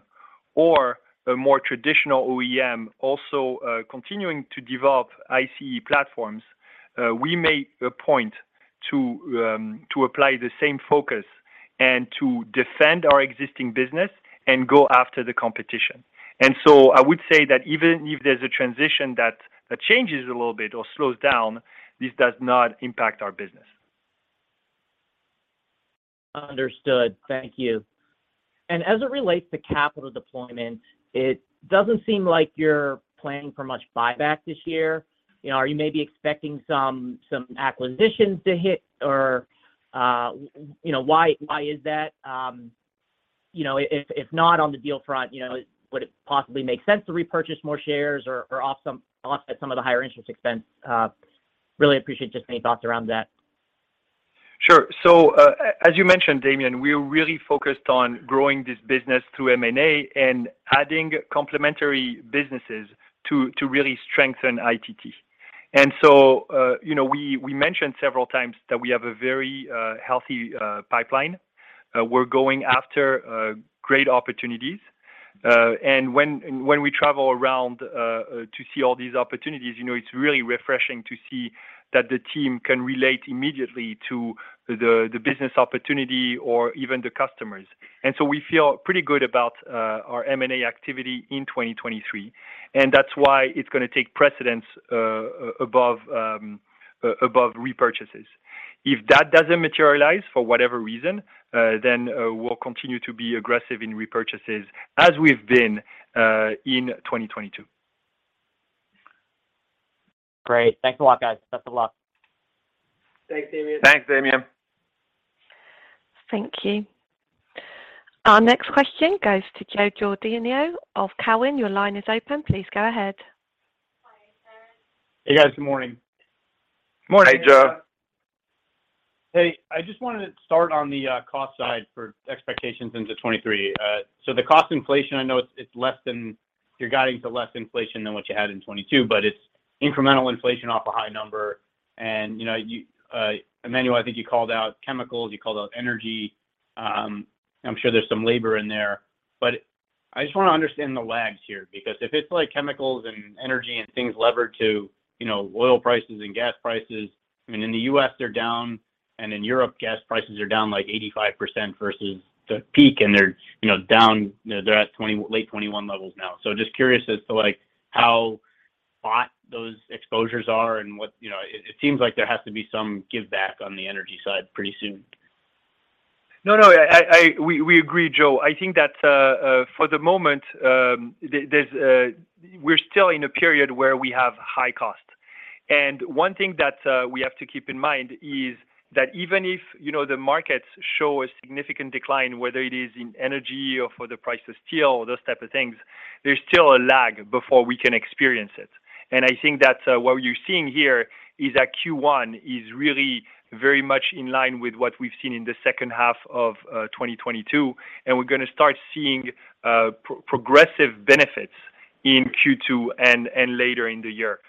or a more traditional OEM also, continuing to develop ICE platforms, we make a point to apply the same focus and to defend our existing business and go after the competition. I would say that even if there's a transition that changes a little bit or slows down, this does not impact our business. Understood. Thank you. As it relates to capital deployment, it doesn't seem like you're planning for much buyback this year. You know, are you maybe expecting some acquisitions to hit or, you know, why is that, you know, if not on the deal front, you know, would it possibly make sense to repurchase more shares or off at some of the higher interest expense? Really appreciate just any thoughts around that. Sure. As you mentioned, Damian, we're really focused on growing this business through M&A and adding complementary businesses to really strengthen ITT. You know, we mentioned several times that we have a very healthy pipeline. We're going after great opportunities. And when we travel around to see all these opportunities, you know, it's really refreshing to see that the team can relate immediately to the business opportunity or even the customers. We feel pretty good about our M&A activity in 2023, and that's why it's gonna take precedence above repurchases. If that doesn't materialize for whatever reason, then we'll continue to be aggressive in repurchases as we've been in 2022. Great. Thanks a lot, guys. Best of luck. Thanks, Damian. Thanks, Damian. Thank you. Our next question goes to Joe Giordano of Cowen. Your line is open. Please go ahead. Hey, guys. Good morning. Morning, Joe. Hey, I just wanted to start on the cost side for expectations into 23. The cost inflation, I know it's less than... you're guiding to less inflation than what you had in 22, but it's incremental inflation off a high number. You know, you, Emmanuel, I think you called out chemicals, you called out energy, I'm sure there's some labor in there. I just want to understand the lags here, because if it's like chemicals and energy and things levered to, you know, oil prices and gas prices, I mean, in the U.S. they're down, and in Europe, gas prices are down like 85% versus the peak, and they're, you know, at late 21 levels now. Just curious as to like how hot those exposures are and what. It seems like there has to be some giveback on the energy side pretty soon. No, no, I, we agree, Joe. I think that for the moment, we're still in a period where we have high costs. One thing that we have to keep in mind is that even if, you know, the markets show a significant decline, whether it is in energy or for the price of steel or those type of things, there's still a lag before we can experience it. I think that what you're seeing here is that Q1 is really very much in line with what we've seen in the second half of 2022, and we're gonna start seeing progressive benefits in Q2 and later in the year.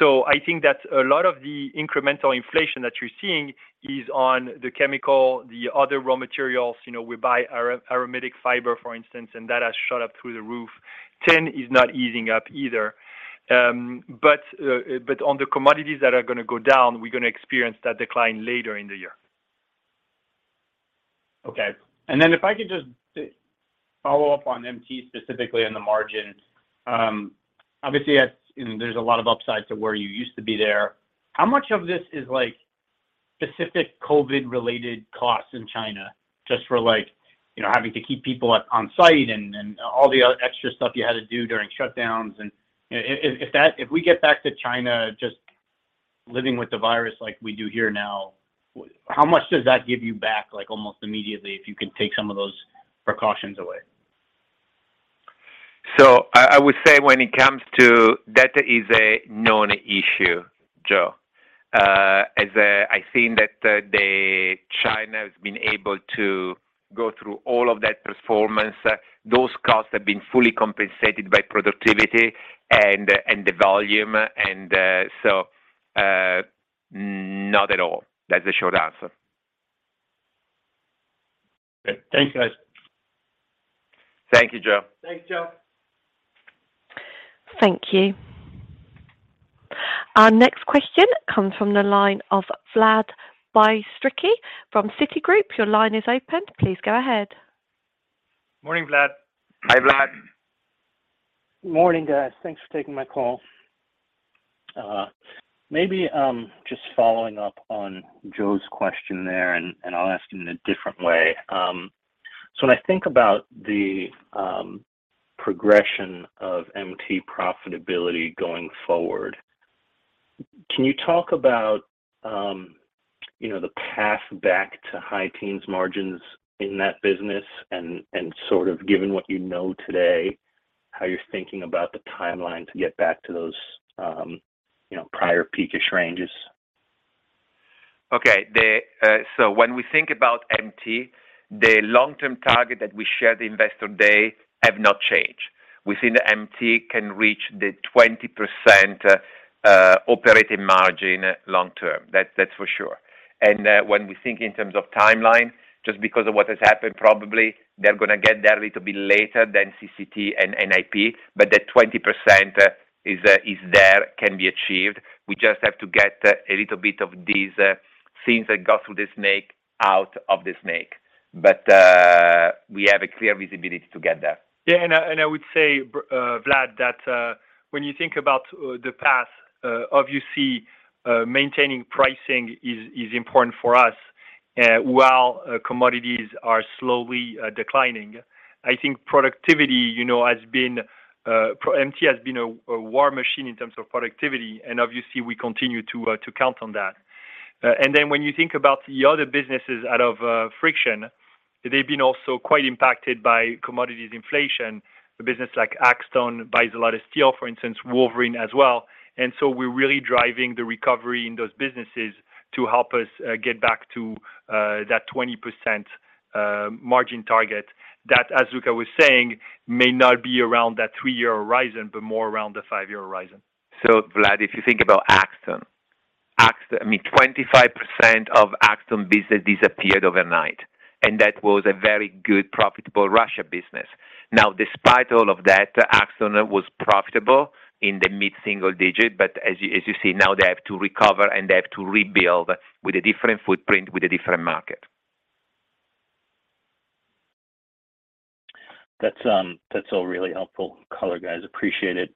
I think that a lot of the incremental inflation that you're seeing is on the chemical, the other raw materials. You know, we buy aramid fiber, for instance, and that has shot up through the roof. Tin is not easing up either. On the commodities that are going to go down, we're going to experience that decline later in the year. If I could just follow up on MT specifically on the margin. Obviously that's, you know, there's a lot of upside to where you used to be there. How much of this is like specific COVID-related costs in China, just for like, you know, having to keep people on site and all the other extra stuff you had to do during shutdowns? If we get back to China just living with the virus like we do here now, how much does that give you back like almost immediately if you can take some of those precautions away? I would say when it comes to... That is a known issue, Joe. As I think that the China has been able to go through all of that performance. Those costs have been fully compensated by productivity and the volume. Not at all. That's the short answer. Okay. Thanks, guys. Thank you, Joe. Thanks, Joe. Thank you. Our next question comes from the line of Vlad Bystricky from Citigroup. Your line is open. Please go ahead. Morning, Vlad. Hi, Vlad. Morning, guys. Thanks for taking my call. Maybe just following up on Joe's question there. I'll ask it in a different way. When I think about the progression of MT profitability going forward, can you talk about, you know, the path back to high teens margins in that business. Sort of given what you know today, how you're thinking about the timeline to get back to those, you know, prior peak-ish ranges? Okay. When we think about MT, the long-term target that we shared in Investor Day have not changed. We think that MT can reach the 20% operating margin long term. That's for sure. When we think in terms of timeline, just because of what has happened, probably they're gonna get there a little bit later than CCT and IP, but that 20% is there, can be achieved. We just have to get a little bit of these things that got through the snake out of the snake. We have a clear visibility to get there. I would say Vlad, that when you think about the path, obviously, maintaining pricing is important for us, while commodities are slowly declining. I think productivity, you know, has been MT has been a war machine in terms of productivity, and obviously we continue to count on that. When you think about the other businesses out of Friction, they've been also quite impacted by commodities inflation. A business like Axtone buys a lot of steel, for instance, Wolverine as well. We're really driving the recovery in those businesses to help us get back to that 20% margin target that, as Luca was saying, may not be around that three-year horizon, but more around the five-year horizon. Vlad, if you think about Axtone, I mean, 25% of Axtone business disappeared overnight, and that was a very good profitable Russia business. Despite all of that, Axtone was profitable in the mid-single digit, but as you see now, they have to recover, and they have to rebuild with a different footprint, with a different market. That's, that's all really helpful color, guys. Appreciate it.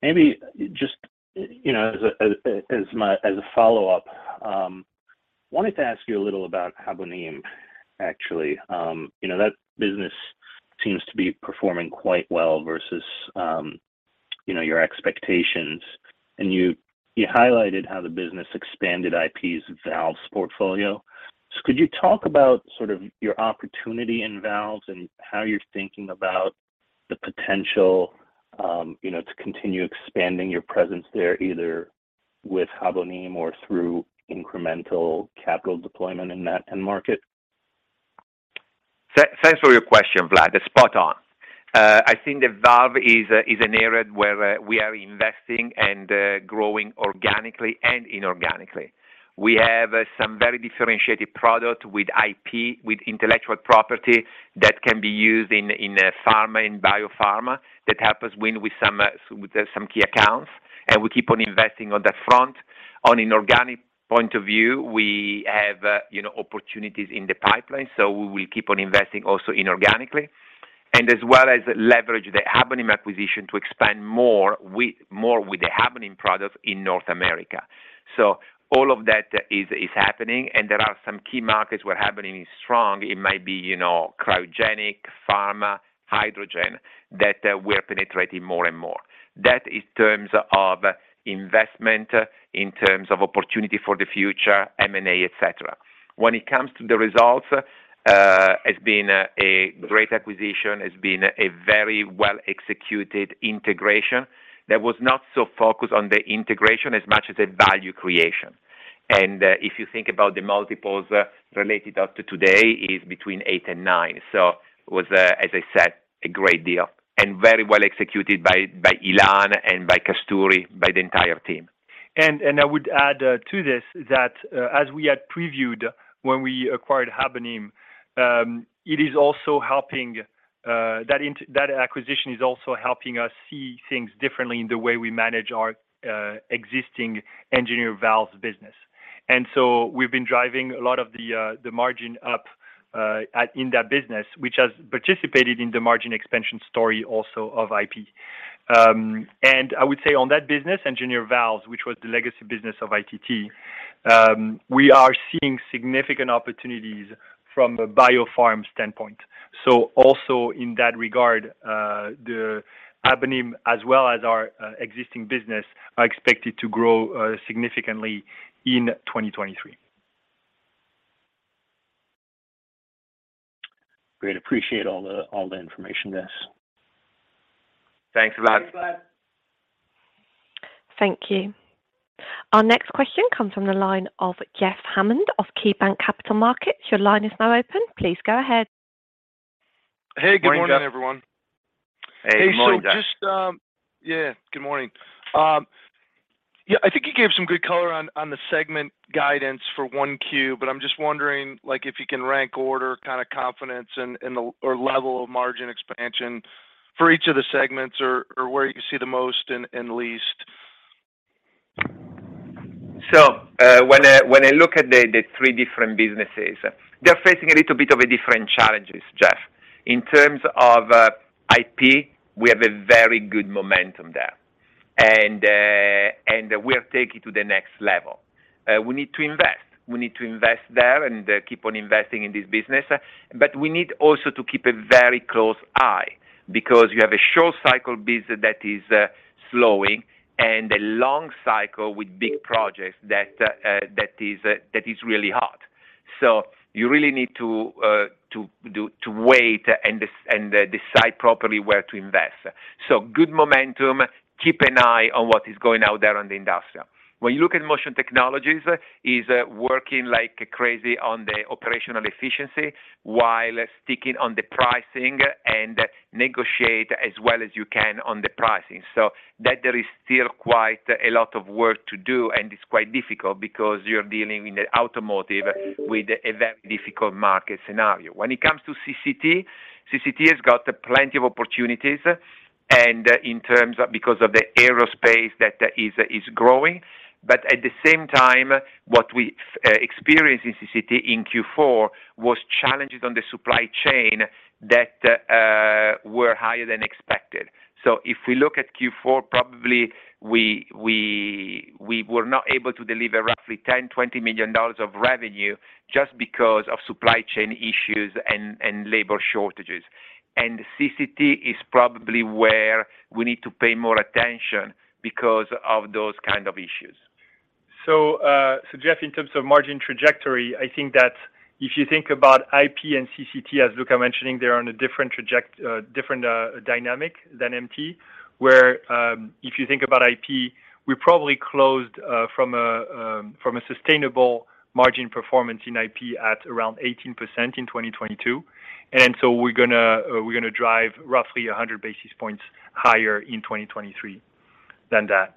maybe just, you know, as a, as a follow-up, wanted to ask you a little about Habonim, actually. you know, that business seems to be performing quite well versus, you know, your expectations. You, you highlighted how the business expanded IP's valves portfolio. So could you talk about sort of your opportunity in valves and how you're thinking about the potential, you know, to continue expanding your presence there, either with Habonim or through incremental capital deployment in that end market? Thanks for your question, Vlad. It's spot on. I think the valve is a, is an area where we are investing and growing organically and inorganically. We have some very differentiated product with IP, with intellectual property, that can be used in pharma and biopharma that help us win with some key accounts, and we keep on investing on that front. On inorganic point of view, we have, you know, opportunities in the pipeline, so we will keep on investing also inorganically. As well as leverage the Habonim acquisition to expand more with the Habonim products in North America. All of that is happening and there are some key markets where Habonim is strong. It might be, you know, cryogenic, pharma, hydrogen, that we're penetrating more and more. That is terms of investment, in terms of opportunity for the future, M&A, et cetera. When it comes to the results, has been a great acquisition, has been a very well-executed integration that was not so focused on the integration as much as the value creation. If you think about the multiples related up to today, is between eight and nine. It was, as I said, a great deal and very well executed by Ilan and by Kasturi, by the entire team. I would add to this that as we had previewed when we acquired Habonim, it is also helping that acquisition is also helping us see things differently in the way we manage our existing Engineered Valves business. We've been driving a lot of the margin up at, in that business, which has participated in the margin expansion story also of IP. I would say on that business, Engineered Valves, which was the legacy business of ITT, we are seeing significant opportunities from a biopharm standpoint. Also in that regard, the Habonim as well as our existing business are expected to grow significantly in 2023. Great. Appreciate all the information, guys. Thanks, Vlad. Thanks, Vlad. Thank you. Our next question comes from the line of Jeff Hammond of KeyBanc Capital Markets. Your line is now open. Please go ahead. Hey, good morning, everyone. Morning, Jeff. Hey, morning, Jeff. Good morning. I think you gave some good color on the segment guidance for 1Q, but I'm just wondering, like, if you can rank order kind of confidence and the level of margin expansion for each of the segments or where you see the most and least. When I look at the three different businesses, they're facing a little bit of a different challenges, Jeff. In terms of IP, we have a very good momentum there. We'll take it to the next level. We need to invest. We need to invest there and keep on investing in this business. We need also to keep a very close eye because you have a short cycle biz that is slowing and a long cycle with big projects that is really hot. You really need to wait and decide properly where to invest. Good momentum, keep an eye on what is going out there on the industrial. When you look at Motion Technologies, is working like crazy on the operational efficiency while sticking on the pricing and negotiate as well as you can on the pricing. That there is still quite a lot of work to do, and it's quite difficult because you're dealing in the automotive with a very difficult market scenario. When it comes to CCT has got plenty of opportunities and in terms of because of the aerospace that is growing. At the same time, what we experienced in CCT in Q4 was challenges on the supply chain that were higher than expected. If we look at Q4, probably we were not able to deliver roughly $10 million-$20 million of revenue just because of supply chain issues and labor shortages. CCT is probably where we need to pay more attention because of those kind of issues. Jeff, in terms of margin trajectory, I think that if you think about IP and CCT, as Luca mentioning, they're on a different dynamic than MT, where, if you think about IP, we probably closed from a sustainable margin performance in IP at around 18% in 2022. We're gonna drive roughly 100 basis points higher in 2023 than that.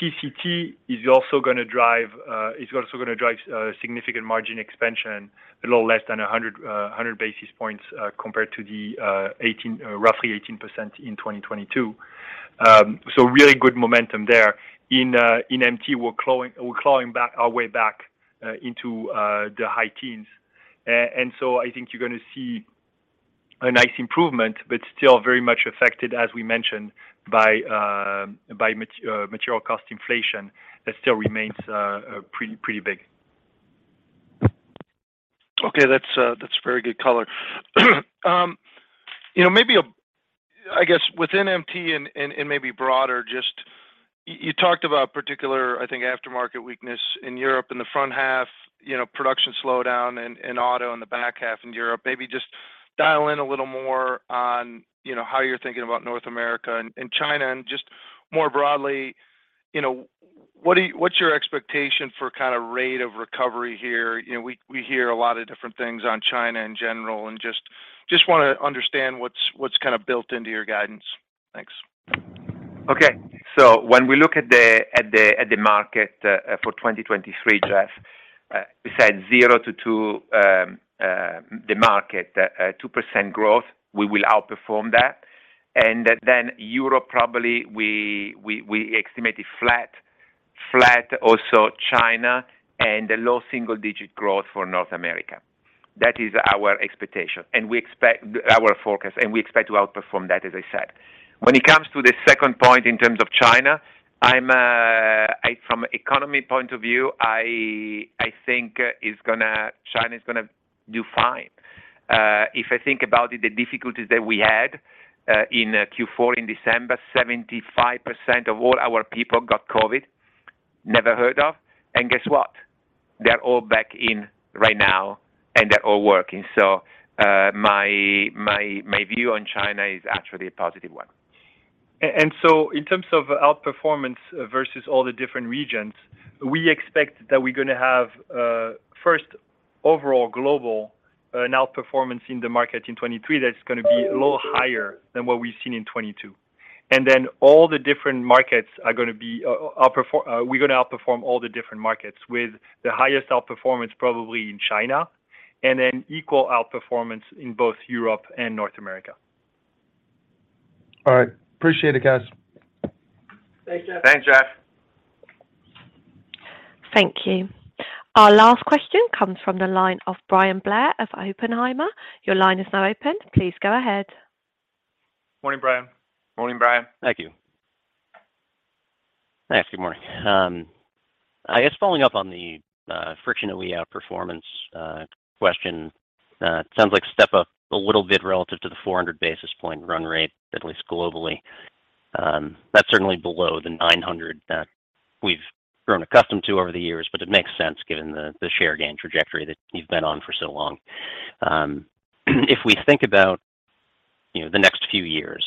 CCT is also gonna drive significant margin expansion, a little less than 100 basis points, compared to the roughly 18% in 2022. Really good momentum there. In MT, we're clawing back our way back into the high teens. I think you're gonna see a nice improvement, but still very much affected, as we mentioned, by material cost inflation that still remains pretty big. Okay. That's, that's very good color. You know, maybe a brief, I guess within MT and maybe broader, just you talked about particular, I think aftermarket weakness in Europe in the front half, you know, production slowdown and auto in the back half in Europe. Maybe just dial in a little more on, you know, how you're thinking about North America and China and just more broadly, you know, what's your expectation for kinda rate of recovery here? You know, we hear a lot of different things on China in general, and just wanna understand what's kinda built into your guidance? Thanks. When we look at the market for 2023, Jeff, we said 0%-2%, the market, a 2% growth, we will outperform that. Europe probably, we estimate it flat, also China and a low single-digit growth for North America. That is our expectation, and we expect our forecast, and we expect to outperform that, as I said. When it comes to the second point in terms of China, I'm from economy point of view, I think China is gonna do fine. If I think about it, the difficulties that we had in Q4 in December, 75% of all our people got COVID. Never heard of. Guess what? They're all back in right now, and they're all working. My view on China is actually a positive one. In terms of outperformance versus all the different regions, we expect that we're gonna have, first, overall global, an outperformance in the market in 2023 that's gonna be a little higher than what we've seen in 2022. All the different markets are gonna be we're gonna outperform all the different markets with the highest outperformance probably in China, and then equal outperformance in both Europe and North America. All right. Appreciate it, guys. Thanks, Jeff. Thanks, Jeff. Thank you. Our last question comes from the line of Brian Blair of Oppenheimer. Your line is now open. Please go ahead. Morning, Brian. Morning, Brian. Thank you. Thanks, good morning. I guess following up on the Friction OE outperformance question, sounds like step up a little bit relative to the 400 basis point run rate, at least globally. That's certainly below the 900 that we've grown accustomed to over the years, but it makes sense given the share gain trajectory that you've been on for so long. If we think about, you know, the next few years,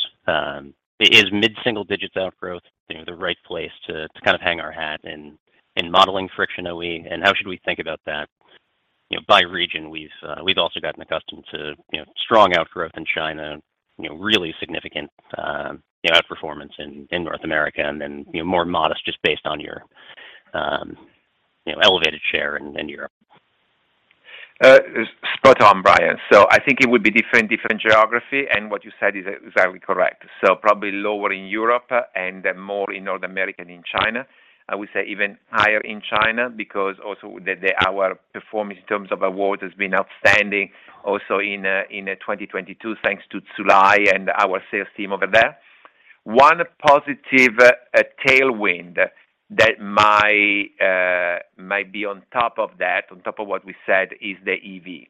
is mid-single digits outgrowth, you know, the right place to kind of hang our hat in modeling Friction OE, and how should we think about that? You know, by region, we've also gotten accustomed to, you know, strong outgrowth in China, you know, really significant, you know, outperformance in North America, and then, you know, more modest just based on your, you know, elevated share in Europe. Spot on, Brian. I think it would be different geography, and what you said is exactly correct. Probably lower in Europe and more in North America and in China. I would say even higher in China because also the performance in terms of award has been outstanding also in 2022, thanks to Tsulai and our sales team over there. One positive tailwind that might be on top of that, on top of what we said is the EV.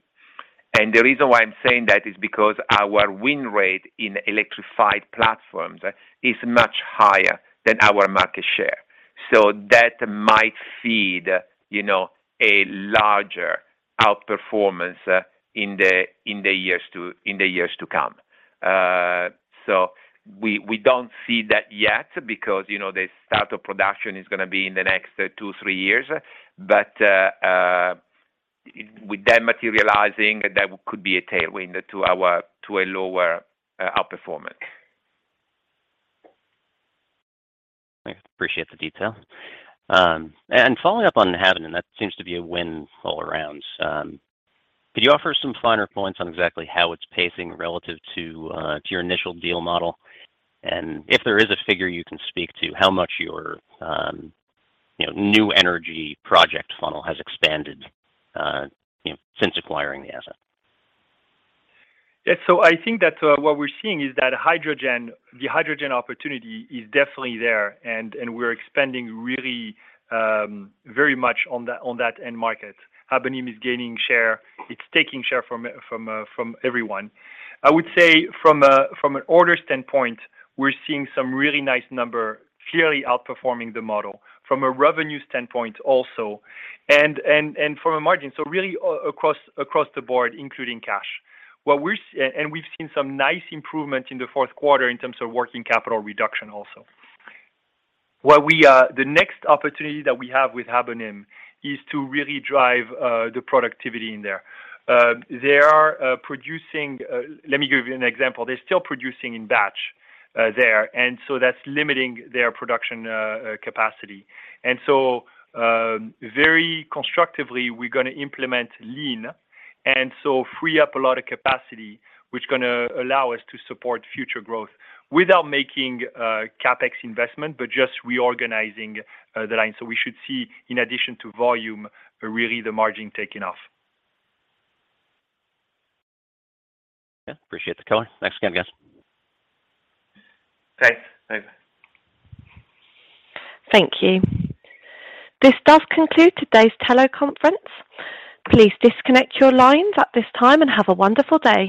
The reason why I'm saying that is because our win rate in electrified platforms is much higher than our market share. That might feed, you know, a larger outperformance in the years to come. We don't see that yet because, you know, the start of production is gonna be in the next two, three years. With that materializing, that could be a tailwind to a lower outperformance. I appreciate the detail. Following up on Habonim, that seems to be a win all around. Could you offer some finer points on exactly how it's pacing relative to your initial deal model? If there is a figure you can speak to, how much your, you know, new energy project funnel has expanded, you know, since acquiring the asset. Yeah. I think that what we're seeing is that hydrogen, the hydrogen opportunity is definitely there, and we're expanding really very much on that end market. Habonim is gaining share. It's taking share from everyone. I would say from an order standpoint, we're seeing some really nice number clearly outperforming the model from a revenue standpoint also, and from a margin. Really across the board, including cash. We've seen some nice improvement in the fourth quarter in terms of working capital reduction also. What we the next opportunity that we have with Habonim is to really drive the productivity in there. They are producing, let me give you an example. They're still producing in batch there, that's limiting their production capacity. Very constructively, we're gonna implement lean, and so free up a lot of capacity, which gonna allow us to support future growth without making CapEx investment, but just reorganizing the line. We should see, in addition to volume, really the margin taking off. Yeah. Appreciate the color. Thanks again, guys. Thanks. Bye. Thank you. This does conclude today's teleconference. Please disconnect your lines at this time and have a wonderful day.